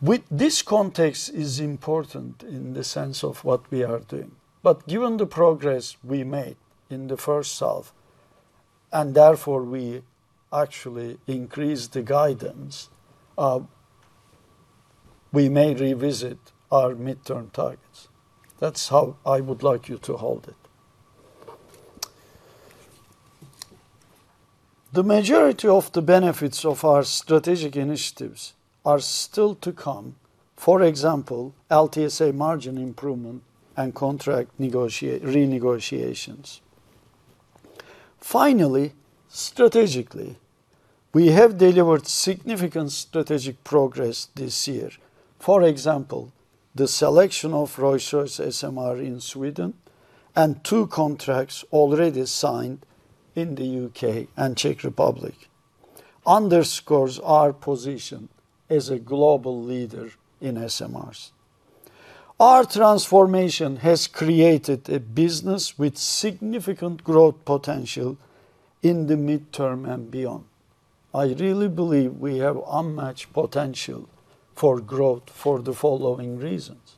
With this context is important in the sense of what we are doing. Given the progress we made in the first half, and therefore we actually increased the guidance, we may revisit our midterm targets. That's how I would like you to hold it. The majority of the benefits of our strategic initiatives are still to come. For example, LTSA margin improvement and contract renegotiations. Finally, strategically, we have delivered significant strategic progress this year. For example, the selection of Rolls-Royce SMR in Sweden and two contracts already signed in the U.K. and Czech Republic underscores our position as a global leader in SMRs. Our transformation has created a business with significant growth potential in the midterm and beyond. I really believe we have unmatched potential for growth for the following reasons.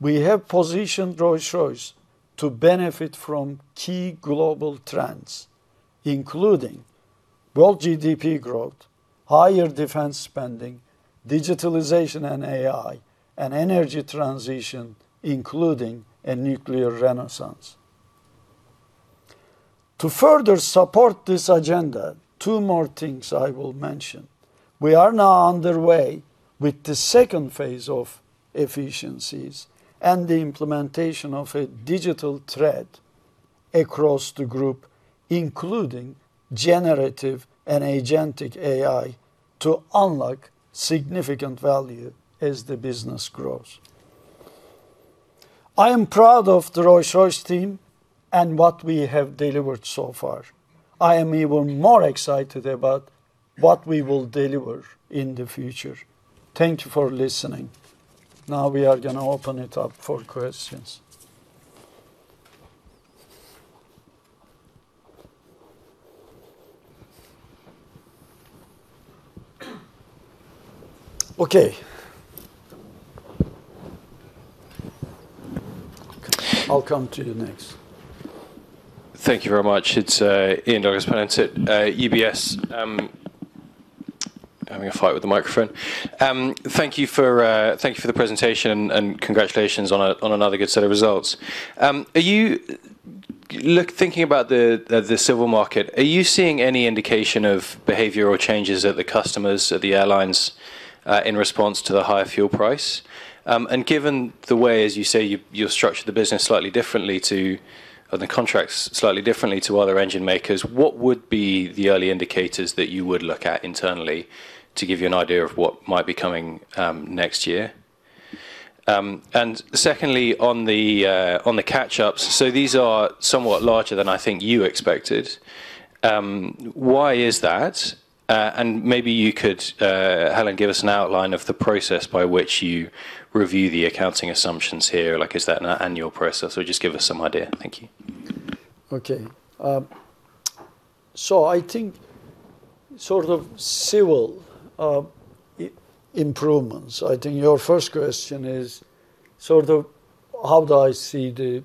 We have positioned Rolls-Royce to benefit from key global trends, including world GDP growth, higher Defence spending, digitalization and AI, and energy transition, including a nuclear renaissance. To further support this agenda, two more things I will mention. We are now underway with the second phase of efficiencies and the implementation of a digital thread across the group, including generative and agentic AI, to unlock significant value as the business grows. I am proud of the Rolls-Royce team and what we have delivered so far. I am even more excited about what we will deliver in the future. Thank you for listening. We are going to open it up for questions. Okay. I'll come to you next. Thank you very much. It's Ian Douglas-Pennant at UBS. Having a fight with the microphone. Thank you for the presentation, congratulations on another good set of results. Thinking about the Civil market, are you seeing any indication of behavior or changes of the customers, of the airlines, in response to the higher flight price? Given the way, as you say, you structured the business slightly differently to, or the contracts slightly differently to other engine makers, what would be the early indicators that you would look at internally to give you an idea of what might be coming next year? Secondly, on the catch-ups. These are somewhat larger than I think you expected. Why is that? Maybe you could, Helen, give us an outline of the process by which you review the accounting assumptions here. Is that an annual process, or just give us some idea. Thank you. Okay. I think Civil improvements. I think your first question is how do I see the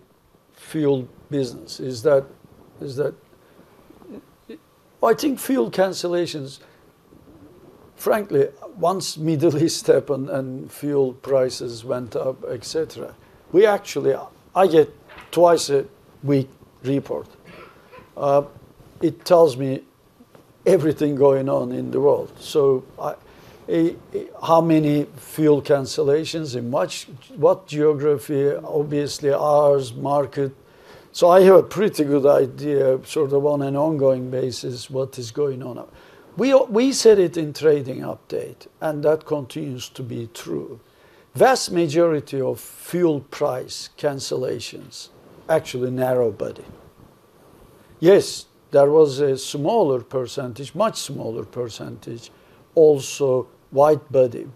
flight business? I think flight cancellations, frankly, once Middle East happened and flight prices went up, et cetera, I get twice-a-week report. It tells me everything going on in the world. How many flight cancellations, in what geography, obviously ours, market. I have a pretty good idea, on an ongoing basis, what is going on. We said it in trading update, that continues to be true. Vast majority of flight cancellations, actually narrow body. Yes, there was a smaller percentage, much smaller percentage, also wide body.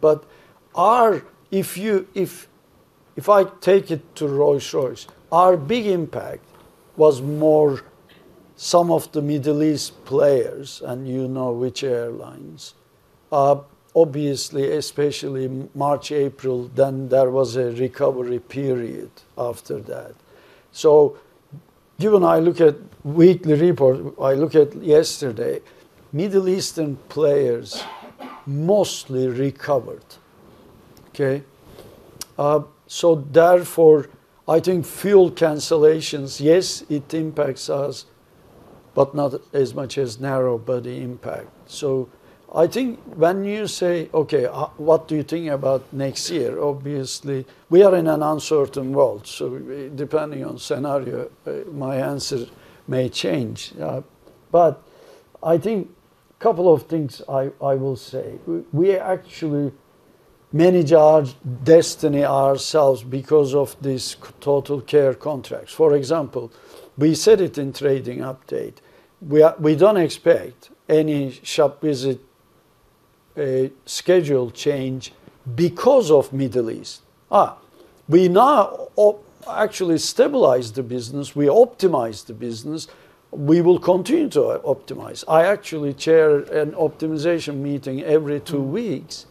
If I take it to Rolls-Royce, our big impact was more some of the Middle East players, and you know which airlines. Obviously, especially March, April, then there was a recovery period after that. Given I look at weekly report, I look at yesterday, Middle Eastern players mostly recovered. Okay? Therefore, I think flight cancellations, yes, it impacts us, but not as much as narrow body impact. I think when you say, "Okay, what do you think about next year?" Obviously, we are in an uncertain world, so depending on scenario, my answer may change. I think couple of things I will say. We actually manage our destiny ourselves because of this total care contracts. For example, we said it in trading update. We don't expect any shop visit schedule change because of Middle East. We now actually stabilized the business, we optimized the business. We will continue to optimize. I actually chair an optimization meeting every two weeks.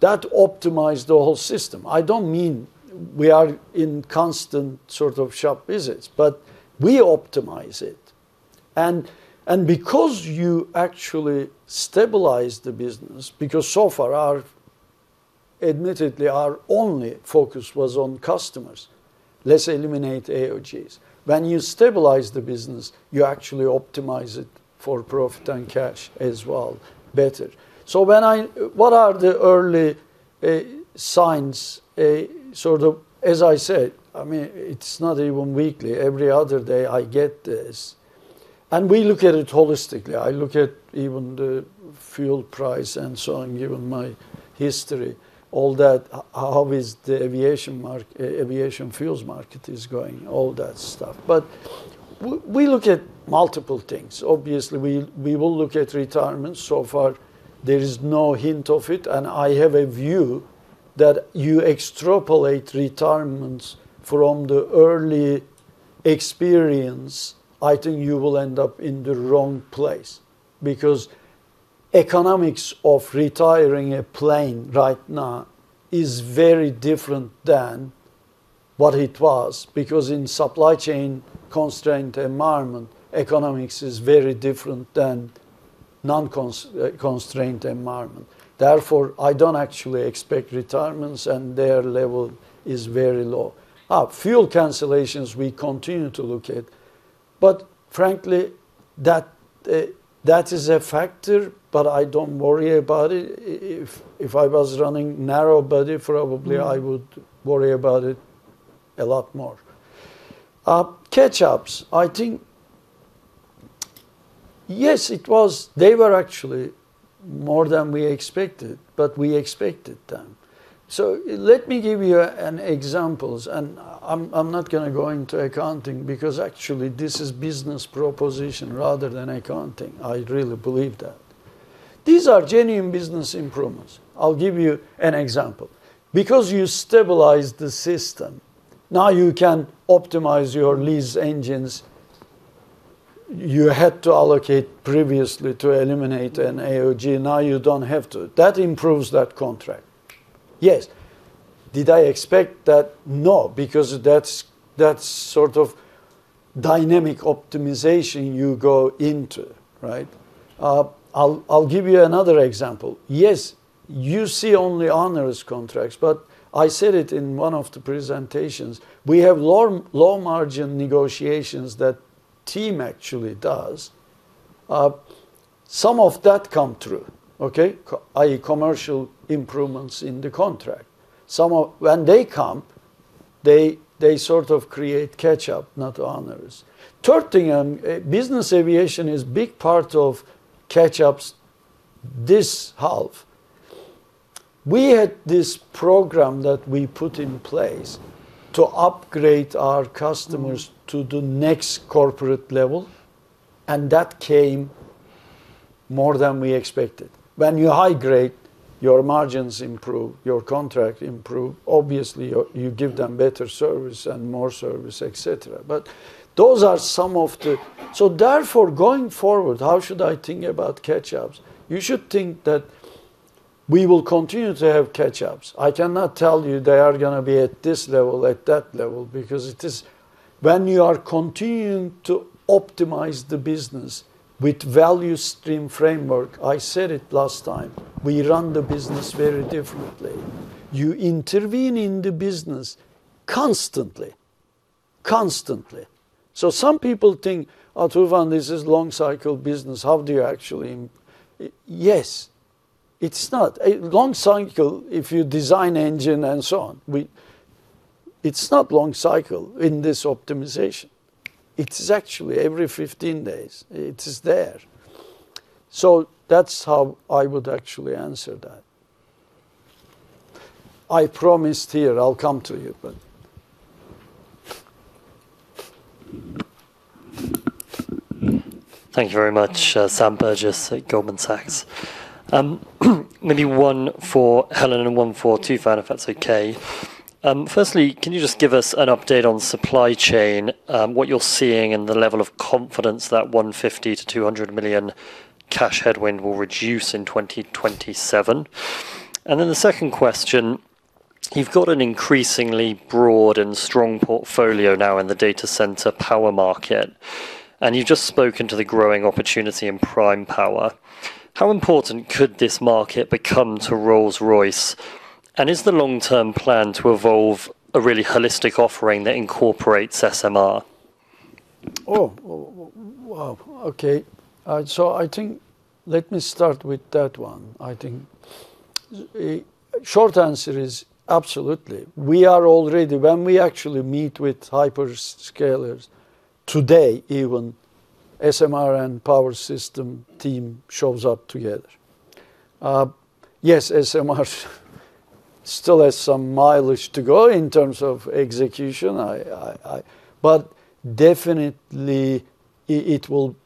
That optimized the whole system. I don't mean we are in constant shop visits, but we optimize it. Because you actually stabilize the business, because so far admittedly, our only focus was on customers. Let's eliminate AOGs. When you stabilize the business, you actually optimize it for profit and cash as well, better. What are the early signs? As I said, it's not even weekly. Every other day, I get this, and we look at it holistically. I look at even the flight price and so on, given my history, all that, how is the aviation fuels market is going, all that stuff. We look at multiple things. Obviously, we will look at retirement. So far, there is no hint of it, and I have a view that you extrapolate retirements from the early experience. I think you will end up in the wrong place because economics of retiring a plane right now is very different than what it was. Because in supply chain-constrained environment, economics is very different than non-constrained environment. I don't actually expect retirements, and their level is very low. Flight cancellations, we continue to look at. Frankly, that is a factor, but I don't worry about it. If I was running narrow body, probably I would worry about it a lot more. Catch-ups. I think, yes, they were actually more than we expected, but we expected them. Let me give you an examples, and I'm not going to go into accounting because actually this is business proposition rather than accounting. I really believe that. These are genuine business improvements. I'll give you an example. Because you stabilized the system, now you can optimize your lease engines. You had to allocate previously to eliminate an AOG. Now you don't have to. That improves that contract. Yes. Did I expect that? No, because that's dynamic optimization you go into, right? I'll give you another example. Yes, you see only onerous contracts, but I said it in one of the presentations, we have low-margin negotiations that team actually does. Some of that come through, okay? I.e., commercial improvements in the contract. When they come, they sort of create catch-up, not onerous. Third thing, business aviation is big part of catch-ups this half. We had this program that we put in place to upgrade our customers to the next corporate level, and that came more than we expected. When you high grade, your margins improve, your contract improve. Obviously, you give them better service and more service, et cetera. Going forward, how should I think about catch-ups? You should think that we will continue to have catch-ups. I cannot tell you they are going to be at this level, at that level, because when you are continuing to optimize the business with value stream framework, I said it last time, we run the business very differently. You intervene in the business constantly. Constantly. Some people think, "Tufan, this is long-cycle business. How do you actually" Yes. Long cycle, if you design engine and so on. It's not long cycle in this optimization. It is actually every 15 days. It is there. That's how I would actually answer that. I promised here, I'll come to you. Thank you very much. Sam Burgess at Goldman Sachs. Maybe one for Helen and one for Tufan, if that's okay. Firstly, can you just give us an update on supply chain, what you're seeing and the level of confidence that 150 million-200 million cash headwind will reduce in 2027? The second question, you've got an increasingly broad and strong portfolio now in the data center power market. You've just spoken to the growing opportunity in prime power. How important could this market become to Rolls-Royce? Is the long-term plan to evolve a really holistic offering that incorporates SMR? Oh, wow. Okay. I think, let me start with that one. I think short answer is absolutely. We are all ready. When we actually meet with hyperscalers, today even, SMR and Power Systems team shows up together. Yes, SMR still has some mileage to go in terms of execution. Definitely it will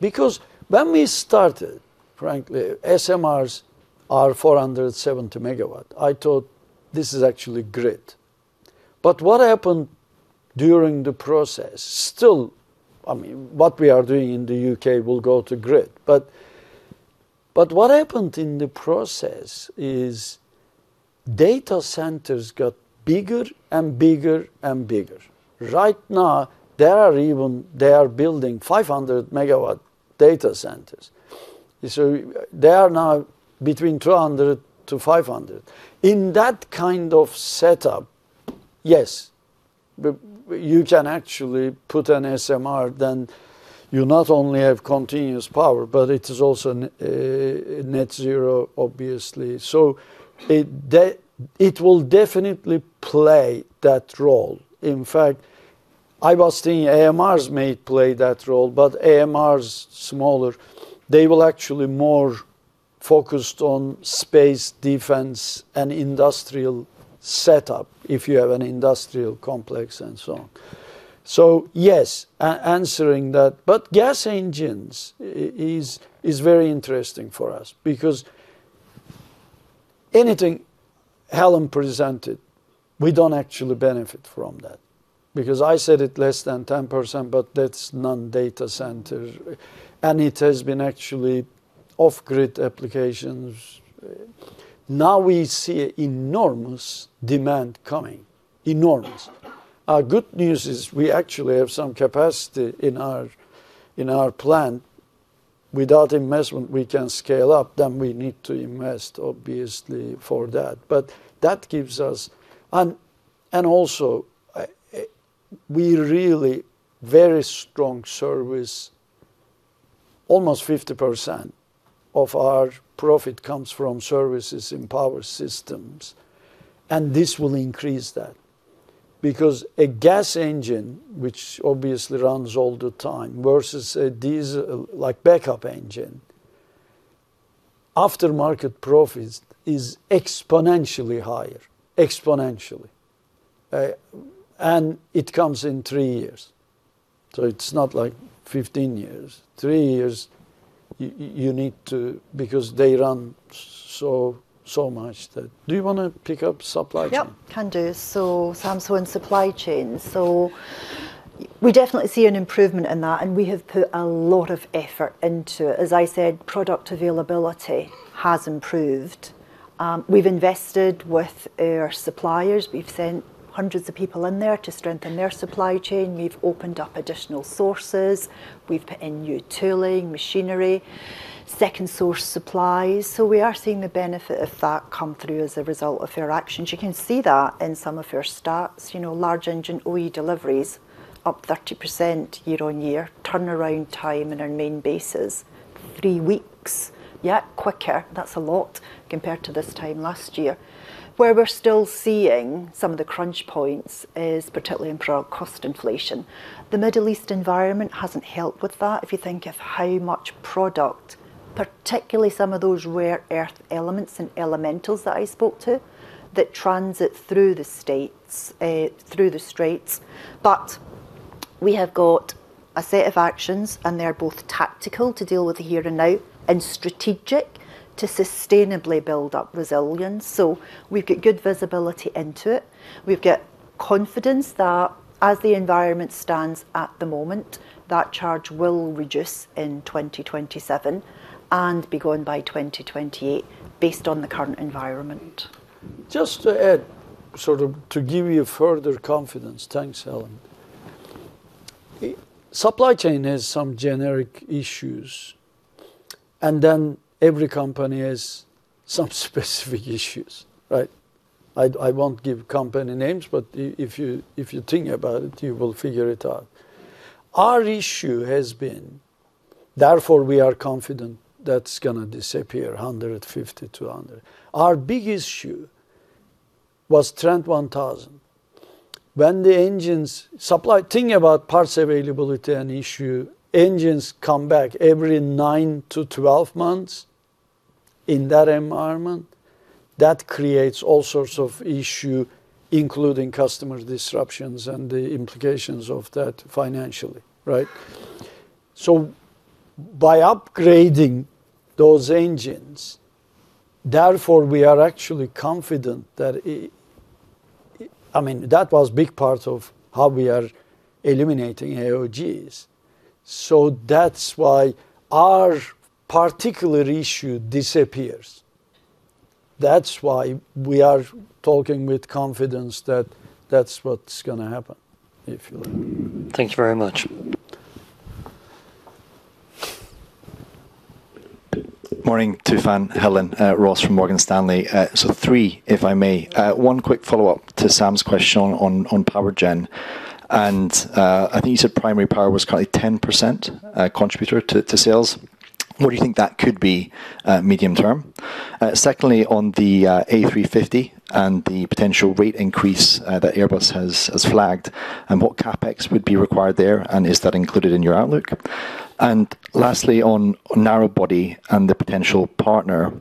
Because when we started, frankly, SMRs are 470 MW. I thought this is actually grid. What happened during the process, still, what we are doing in the U.K. will go to grid, what happened in the process is data centers got bigger and bigger and bigger. Right now, they are building 500 MW data centers. They are now between 200-500. In that kind of setup, yes, you can actually put an SMR, then you not only have continuous power, but it is also net zero, obviously. It will definitely play that role. In fact, I was thinking AMRs may play that role, but AMR is smaller. They will actually more focused on space Defence and industrial setup, if you have an industrial complex and so on. Yes, answering that. Gas engines is very interesting for us because anything Helen presented, we don't actually benefit from that. I said it less than 10%, but that's non-data center. It has been actually off-grid applications. Now we see enormous demand coming. Enormous. Our good news is we actually have some capacity in our plan. Without investment, we can scale up. We need to invest, obviously, for that. Also, we really very strong service. Almost 50% of our profit comes from services in Power Systems, and this will increase that. A gas engine, which obviously runs all the time, versus a diesel backup engine, aftermarket profits is exponentially higher. Exponentially. It comes in three years. It's not like 15 years. Three years, you need to, because they run so much. Do you want to pick up supply chain? Yep. Can do. Sam's on supply chain. We definitely see an improvement in that, and we have put a lot of effort into it. As I said, product availability has improved. We've invested with our suppliers. We've sent hundreds of people in there to strengthen their supply chain. We've opened up additional sources. We've put in new tooling, machinery, second-source supplies. We are seeing the benefit of that come through as a result of our actions. You can see that in some of our stats. Large engine OE deliveries up 30% year-on-year. Turnaround time in our main bases, three weeks. Yeah, quicker. That's a lot compared to this time last year. Where we're still seeing some of the crunch points is particularly in product cost inflation. The Middle East environment hasn't helped with that, if you think of how much product, particularly some of those rare earth elements and elementals that I spoke to, that transit through the straits. We have got a set of actions, and they're both tactical, to deal with the here and now, and strategic, to sustainably build up resilience. We've got good visibility into it. We've got confidence that as the environment stands at the moment, that charge will reduce in 2027 and be gone by 2028 based on the current environment. Just to add, to give you further confidence. Thanks, Helen. Supply chain has some generic issues, and then every company has some specific issues. Right? I won't give company names, but if you think about it, you will figure it out. Our issue has been, therefore, we are confident that's going to disappear, 150-100. Our big issue was Trent 1000. Think about parts availability and issue, engines come back every 9-12 months in that environment. That creates all sorts of issue, including customer disruptions and the implications of that financially. Right? By upgrading those engines, therefore, we are actually confident that That was big part of how we are eliminating AOGs. That's why our particular issue disappears. That's why we are talking with confidence that that's what's going to happen. If you like. Thank you very much. Morning to Tufan, Helen. Ross from Morgan Stanley. Three, if I may. One quick follow-up to Sam's question on Powergen. I think you said primary power was currently 10% contributor to sales. Where do you think that could be medium term? Secondly, on the A350 and the potential rate increase that Airbus has flagged, and what CapEx would be required there, and is that included in your outlook? Lastly, on narrow body and the potential partner,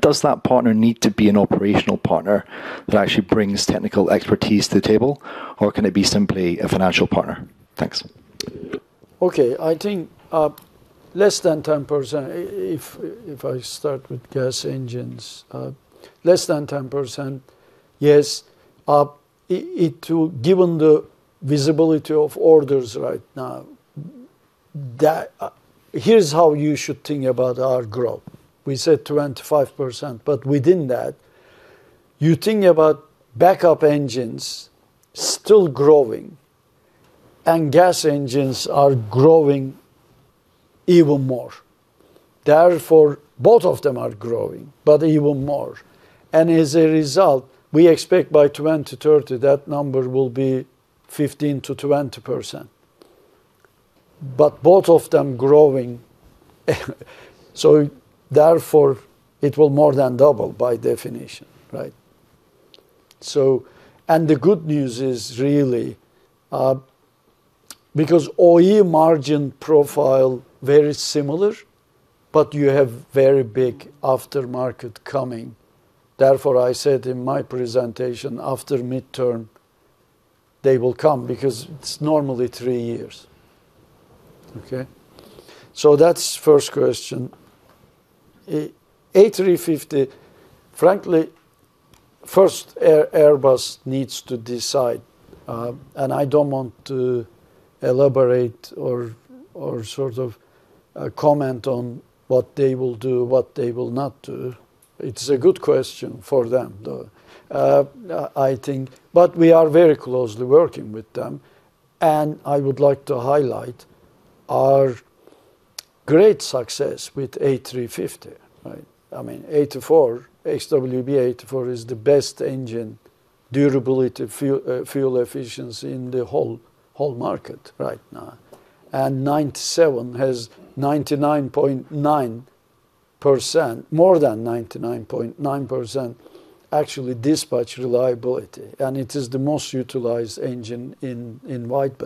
does that partner need to be an operational partner that actually brings technical expertise to the table, or can it be simply a financial partner? Thanks. Okay. I think less than 10%, if I start with gas engines. Less than 10%, yes. Given the visibility of orders right now, here's how you should think about our growth. We said 25%, within that, you think about backup engines still growing, gas engines are growing even more. Both of them are growing, but even more. As a result, we expect by 2030, that number will be 15%-20%. Both of them growing, so therefore, it will more than double by definition. Right? The good news is, really, because OE margin profile very similar, but you have very big aftermarket coming. I said in my presentation, after mid-term, they will come, because it's normally three years. Okay? That's first question. A350, frankly, first Airbus needs to decide, I don't want to elaborate or comment on what they will do, what they will not do. It's a good question for them, though. We are very closely working with them, and I would like to highlight our great success with A350. Right? A350-XWB-84 is the best engine durability fuel efficiency in the whole market right now. 97 has 99.9%, more than 99.9%, actually, dispatch reliability, and it is the most utilized engine in wide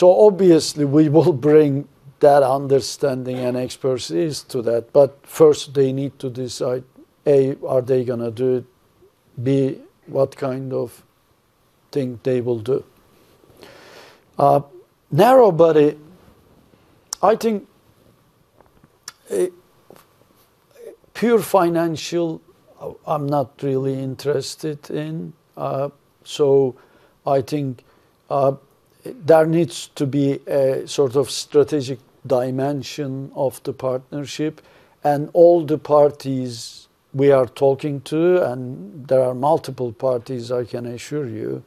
body. Obviously, we will bring that understanding and expertise to that. First they need to decide, A, are they going to do it? B, what kind of thing they will do. Narrow body, I think pure financial, I'm not really interested in. There needs to be a sort of strategic dimension of the partnership and all the parties we are talking to, and there are multiple parties, I can assure you,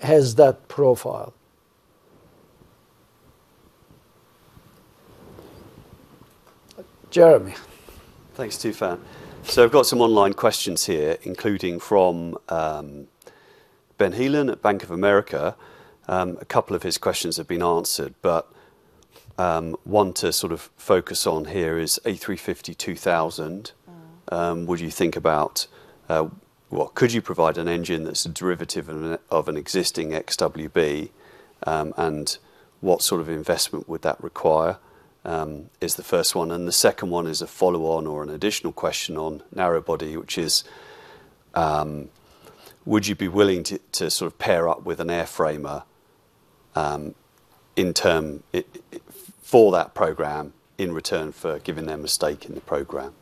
has that profile. Jeremy. Thanks, Tufan. I've got some online questions here, including from Ben Heelan at Bank of America. A couple of his questions have been answered, but one to focus on here is A350-2000. Could you provide an engine that's a derivative of an existing XWB, and what sort of investment would that require? Is the first one. The second one is a follow-on or an additional question on narrow body, which is, would you be willing to pair up with an airframer for that program in return for giving them a stake in the program?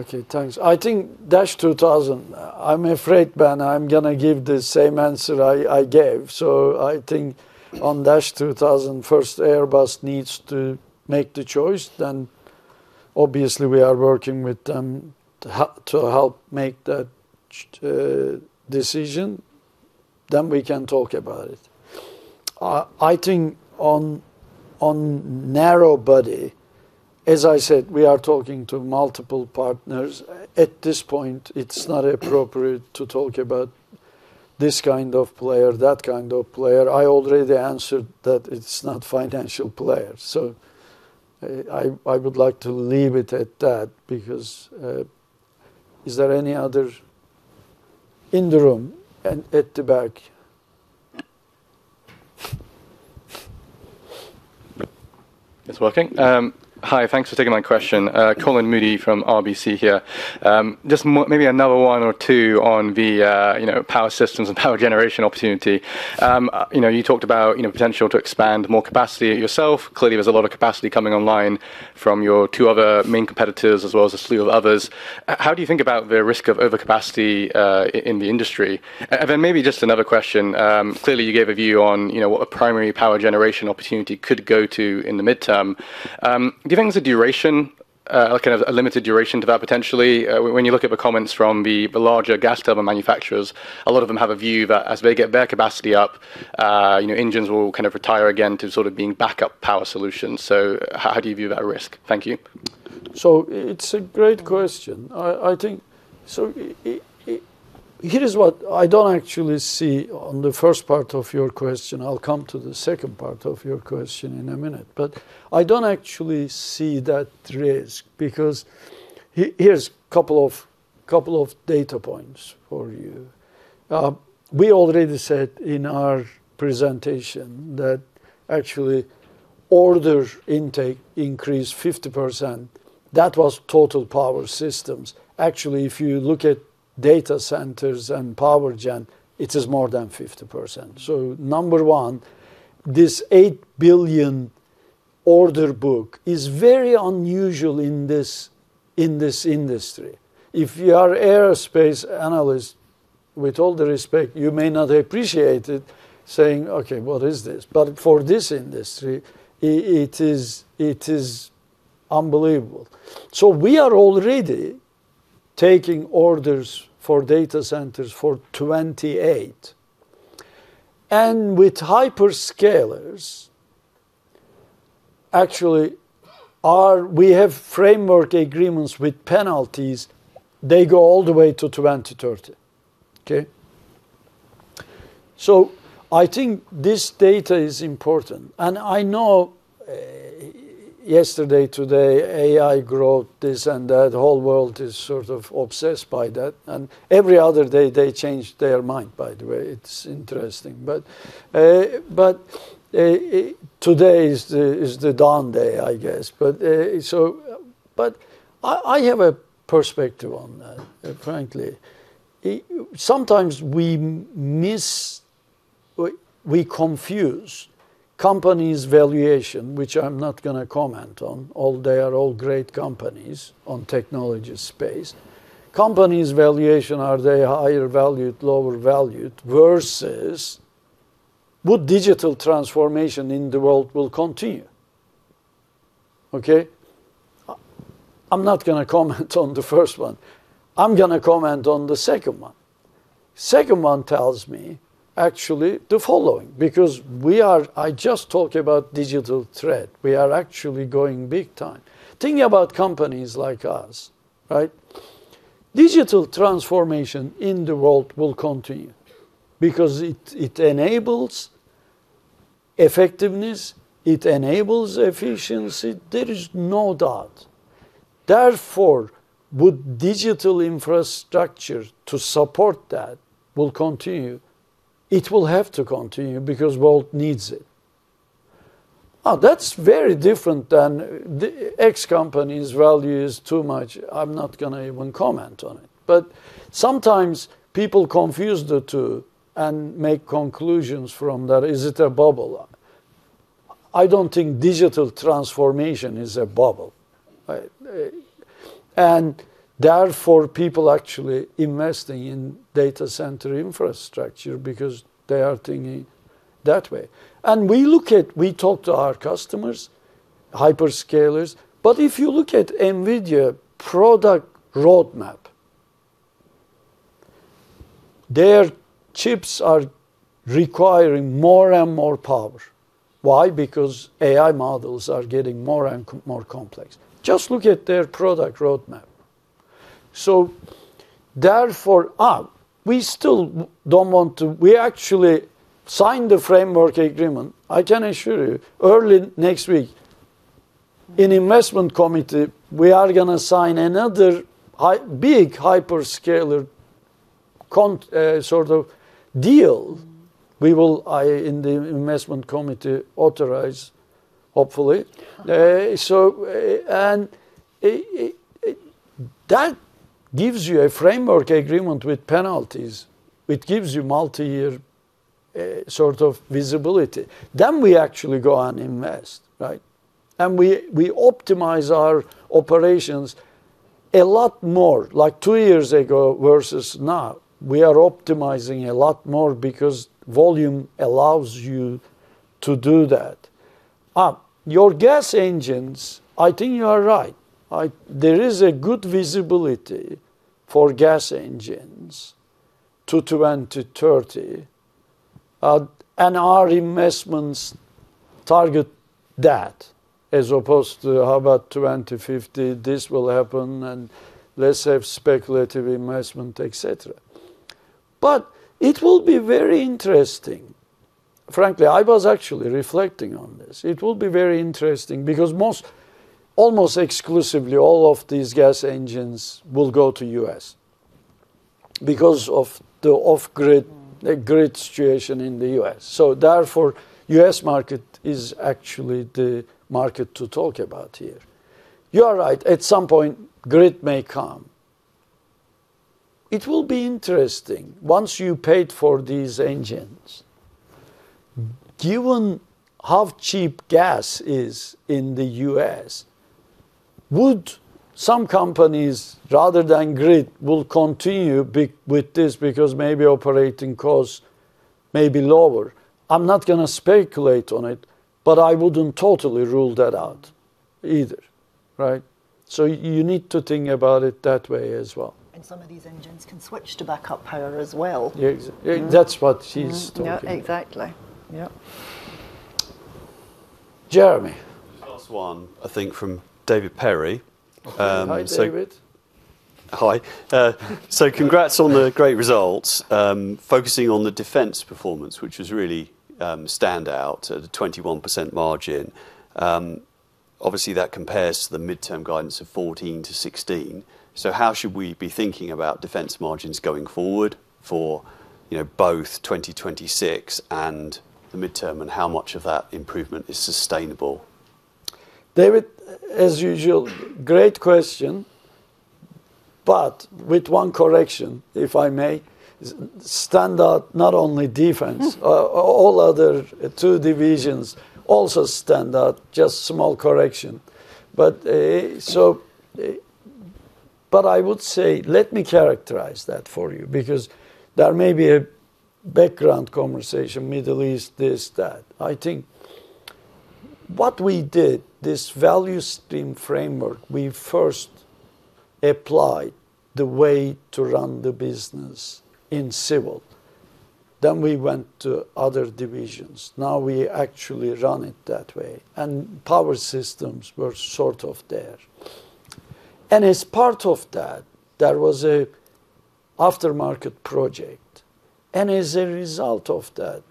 Okay, thanks. I think -2000, I'm afraid, Ben, I'm going to give the same answer I gave. I think on -2000, first Airbus needs to make the choice, then obviously we are working with them to help make that decision, then we can talk about it. I think on narrow body, as I said, we are talking to multiple partners. At this point, it's not appropriate to talk about this kind of player, that kind of player. I already answered that it's not financial players. I would like to leave it at that. Is there any other in the room? At the back. It's working? Yes. Hi, thanks for taking my question. Colin Moody from RBC here. Just maybe another one or two on the Power Systems and power generation opportunity. You talked about potential to expand more capacity yourself. Clearly, there's a lot of capacity coming online from your two other main competitors as well as a slew of others. How do you think about the risk of overcapacity in the industry? Maybe just another question. Clearly, you gave a view on what a primary power generation opportunity could go to in the midterm. Do you think there's a limited duration to that potentially? When you look at the comments from the larger gas turbine manufacturers, a lot of them have a view that as they get their capacity up, engines will kind of retire again to sort of being backup power solutions. How do you view that risk? Thank you. It's a great question. Here is what I don't actually see on the first part of your question. I'll come to the second part of your question in a minute. I don't actually see that risk, because here's couple of data points for you. We already said in our presentation that actually order intake increased 50%. That was total Power Systems. Actually, if you look at data centers and Powergen, it is more than 50%. Number one, this 8 billion order book is very unusual in this industry. If you are aerospace analyst, with all due respect, you may not appreciate it saying, "Okay, what is this?" For this industry, it is unbelievable. We are already taking orders for data centers for 2028, and with hyperscalers, actually, we have framework agreements with penalties. They go all the way to 2030. Okay? I think this data is important, and I know yesterday, today, AI growth, this and that, the whole world is sort of obsessed by that. Every other day, they change their mind, by the way. It's interesting. Today is the dawn day, I guess. I have a perspective on that, frankly. Sometimes we confuse companies' valuation, which I'm not going to comment on. They are all great companies on technology space. Companies' valuation, are they higher valued, lower valued, versus would digital transformation in the world will continue? Okay? I'm not going to comment on the first one. I'm going to comment on the second one. Second one tells me, actually, the following. I just talked about digital thread. We are actually going big time. Thinking about companies like us, right? Digital transformation in the world will continue because it enables effectiveness. It enables efficiency. There is no doubt. Therefore, would digital infrastructure to support that will continue? It will have to continue because world needs it. That's very different than the X company's value is too much. I'm not going to even comment on it. Sometimes people confuse the two and make conclusions from that. Is it a bubble or? I don't think digital transformation is a bubble. Right? Therefore, people actually investing in data center infrastructure because they are thinking that way. We talk to our customers, hyperscalers, but if you look at NVIDIA product roadmap, their chips are requiring more and more power. Why? AI models are getting more and more complex. Just look at their product roadmap. Therefore, we actually signed the framework agreement. I can assure you, early next week, in investment committee, we are going to sign another big hyperscaler sort of deal. We will, in the investment committee, authorize, hopefully. That gives you a framework agreement with penalties, it gives you multi-year visibility. We actually go and invest. Right? We optimize our operations a lot more, like two years ago versus now. We are optimizing a lot more because volume allows you to do that. Your gas engines, I think you are right. There is a good visibility for gas engines to 2030, and our investments target that, as opposed to how about 2050, this will happen, and let's have speculative investment, et cetera. It will be very interesting. Frankly, I was actually reflecting on this. It will be very interesting because almost exclusively all of these gas engines will go to U.S. because of the off-grid, grid situation in the U.S. Therefore, U.S. market is actually the market to talk about here. You are right, at some point, grid may come. It will be interesting. Once you paid for these engines, given how cheap gas is in the U.S., would some companies, rather than grid, will continue with this because maybe operating costs may be lower? I'm not going to speculate on it, but I wouldn't totally rule that out either. Right? You need to think about it that way as well. Some of these engines can switch to backup power as well. Yes. That's what she's talking about. Yeah, exactly. Yep. Jeremy. Last one, I think from David Perry. Hi, David. Hi. Congrats on the great results. Focusing on the Defence performance, which was really standout at a 21% margin. Obviously, that compares to the midterm guidance of 14%-16%. How should we be thinking about Defence margins going forward for both 2026 and the midterm, and how much of that improvement is sustainable? David, as usual, great question, with one correction, if I may. Standout, not only Defence. All other two divisions also stand out. Just small correction. I would say, let me characterize that for you because there may be a background conversation, Middle East, this, that. I think what we did, this value stream framework, we first applied the way to run the business in Civil Aerospace. Then we went to other divisions. Now we actually run it that way, and Power Systems were sort of there. As part of that, there was an aftermarket project. As a result of that,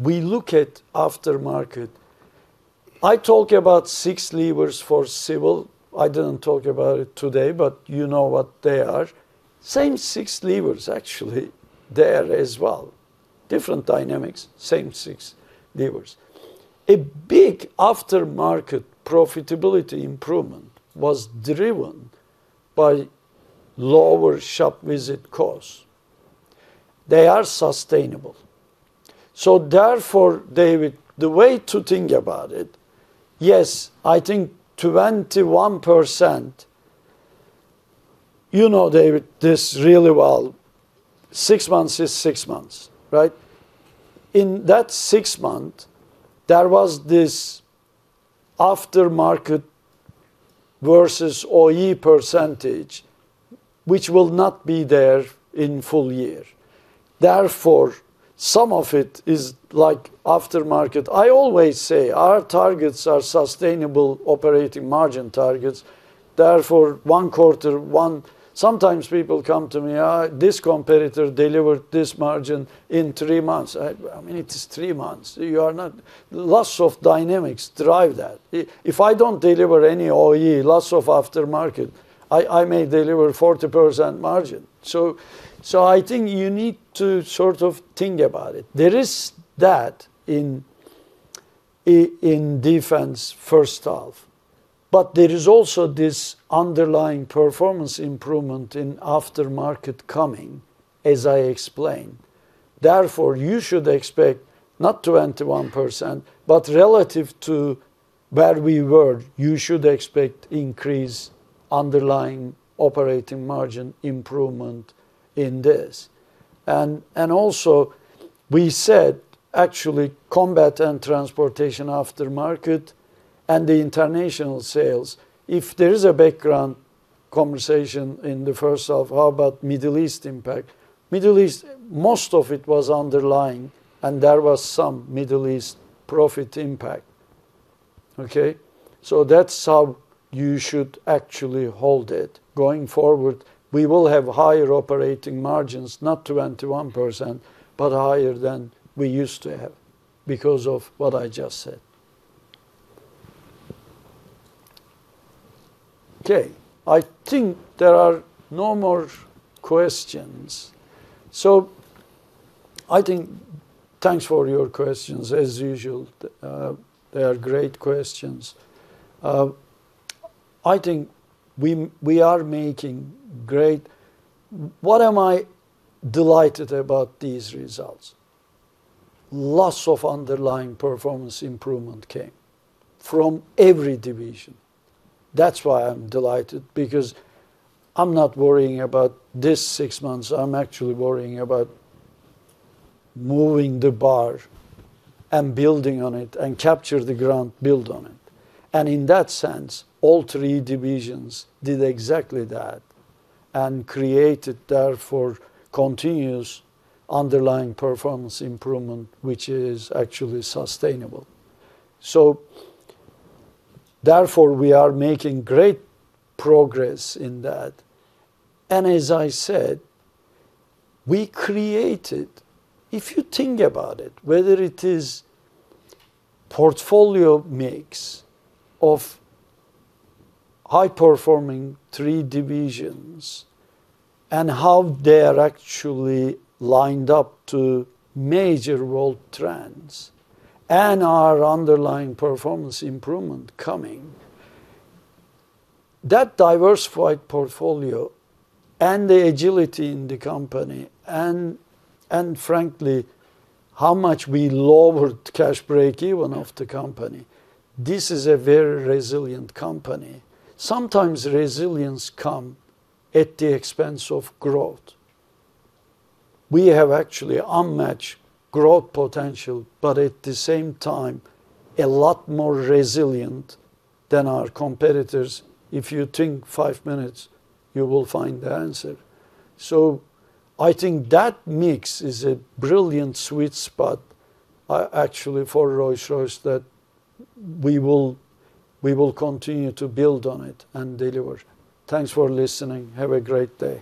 we look at aftermarket. I talk about six levers for Civil Aerospace. I didn't talk about it today, but you know what they are. Same six levers, actually, there as well. Different dynamics, same six levers. A big aftermarket profitability improvement was driven by lower shop visit costs. They are sustainable. Therefore, David, the way to think about it, yes, I think 21%. You know, David, this really well. Six months is six months, right? In that six month, there was this aftermarket versus OE %, which will not be there in full year. Therefore, some of it is aftermarket. I always say our targets are sustainable operating margin targets. Therefore, one quarter. Sometimes people come to me, "This competitor delivered this margin in three months." It is three months. Lots of dynamics drive that. If I don't deliver any OE, lots of aftermarket, I may deliver 40% margin. I think you need to think about it. There is that in Defence first half. There is also this underlying performance improvement in aftermarket coming, as I explained. Therefore, you should expect not 21%, but relative to where we were, you should expect increase underlying operating margin improvement in this. Also, we said actually combat and transportation aftermarket and the international sales. If there is a background conversation in the first half, how about Middle East impact? Middle East, most of it was underlying, and there was some Middle East profit impact. Okay? That's how you should actually hold it. Going forward, we will have higher operating margins, not 21%, but higher than we used to have because of what I just said. Okay. I think there are no more questions. I think, thanks for your questions. As usual, they are great questions. I think we are making great What am I delighted about these results? Lots of underlying performance improvement came from every division. That's why I'm delighted because I'm not worrying about this six months. I'm actually worrying about moving the bar and building on it and capture the ground, build on it. In that sense, all three divisions did exactly that and created, therefore, continuous underlying performance improvement, which is actually sustainable. Therefore, we are making great progress in that. As I said, we created, if you think about it, whether it is portfolio mix of high-performing three divisions and how they are actually lined up to major world trends and our underlying performance improvement coming, that diversified portfolio and the agility in the company and frankly, how much we lowered cash break-even of the company, this is a very resilient company. Sometimes resilience come at the expense of growth. We have actually unmatched growth potential, but at the same time, a lot more resilient than our competitors. If you think five minutes, you will find the answer. I think that mix is a brilliant sweet spot, actually, for Rolls-Royce that we will continue to build on it and deliver. Thanks for listening. Have a great day.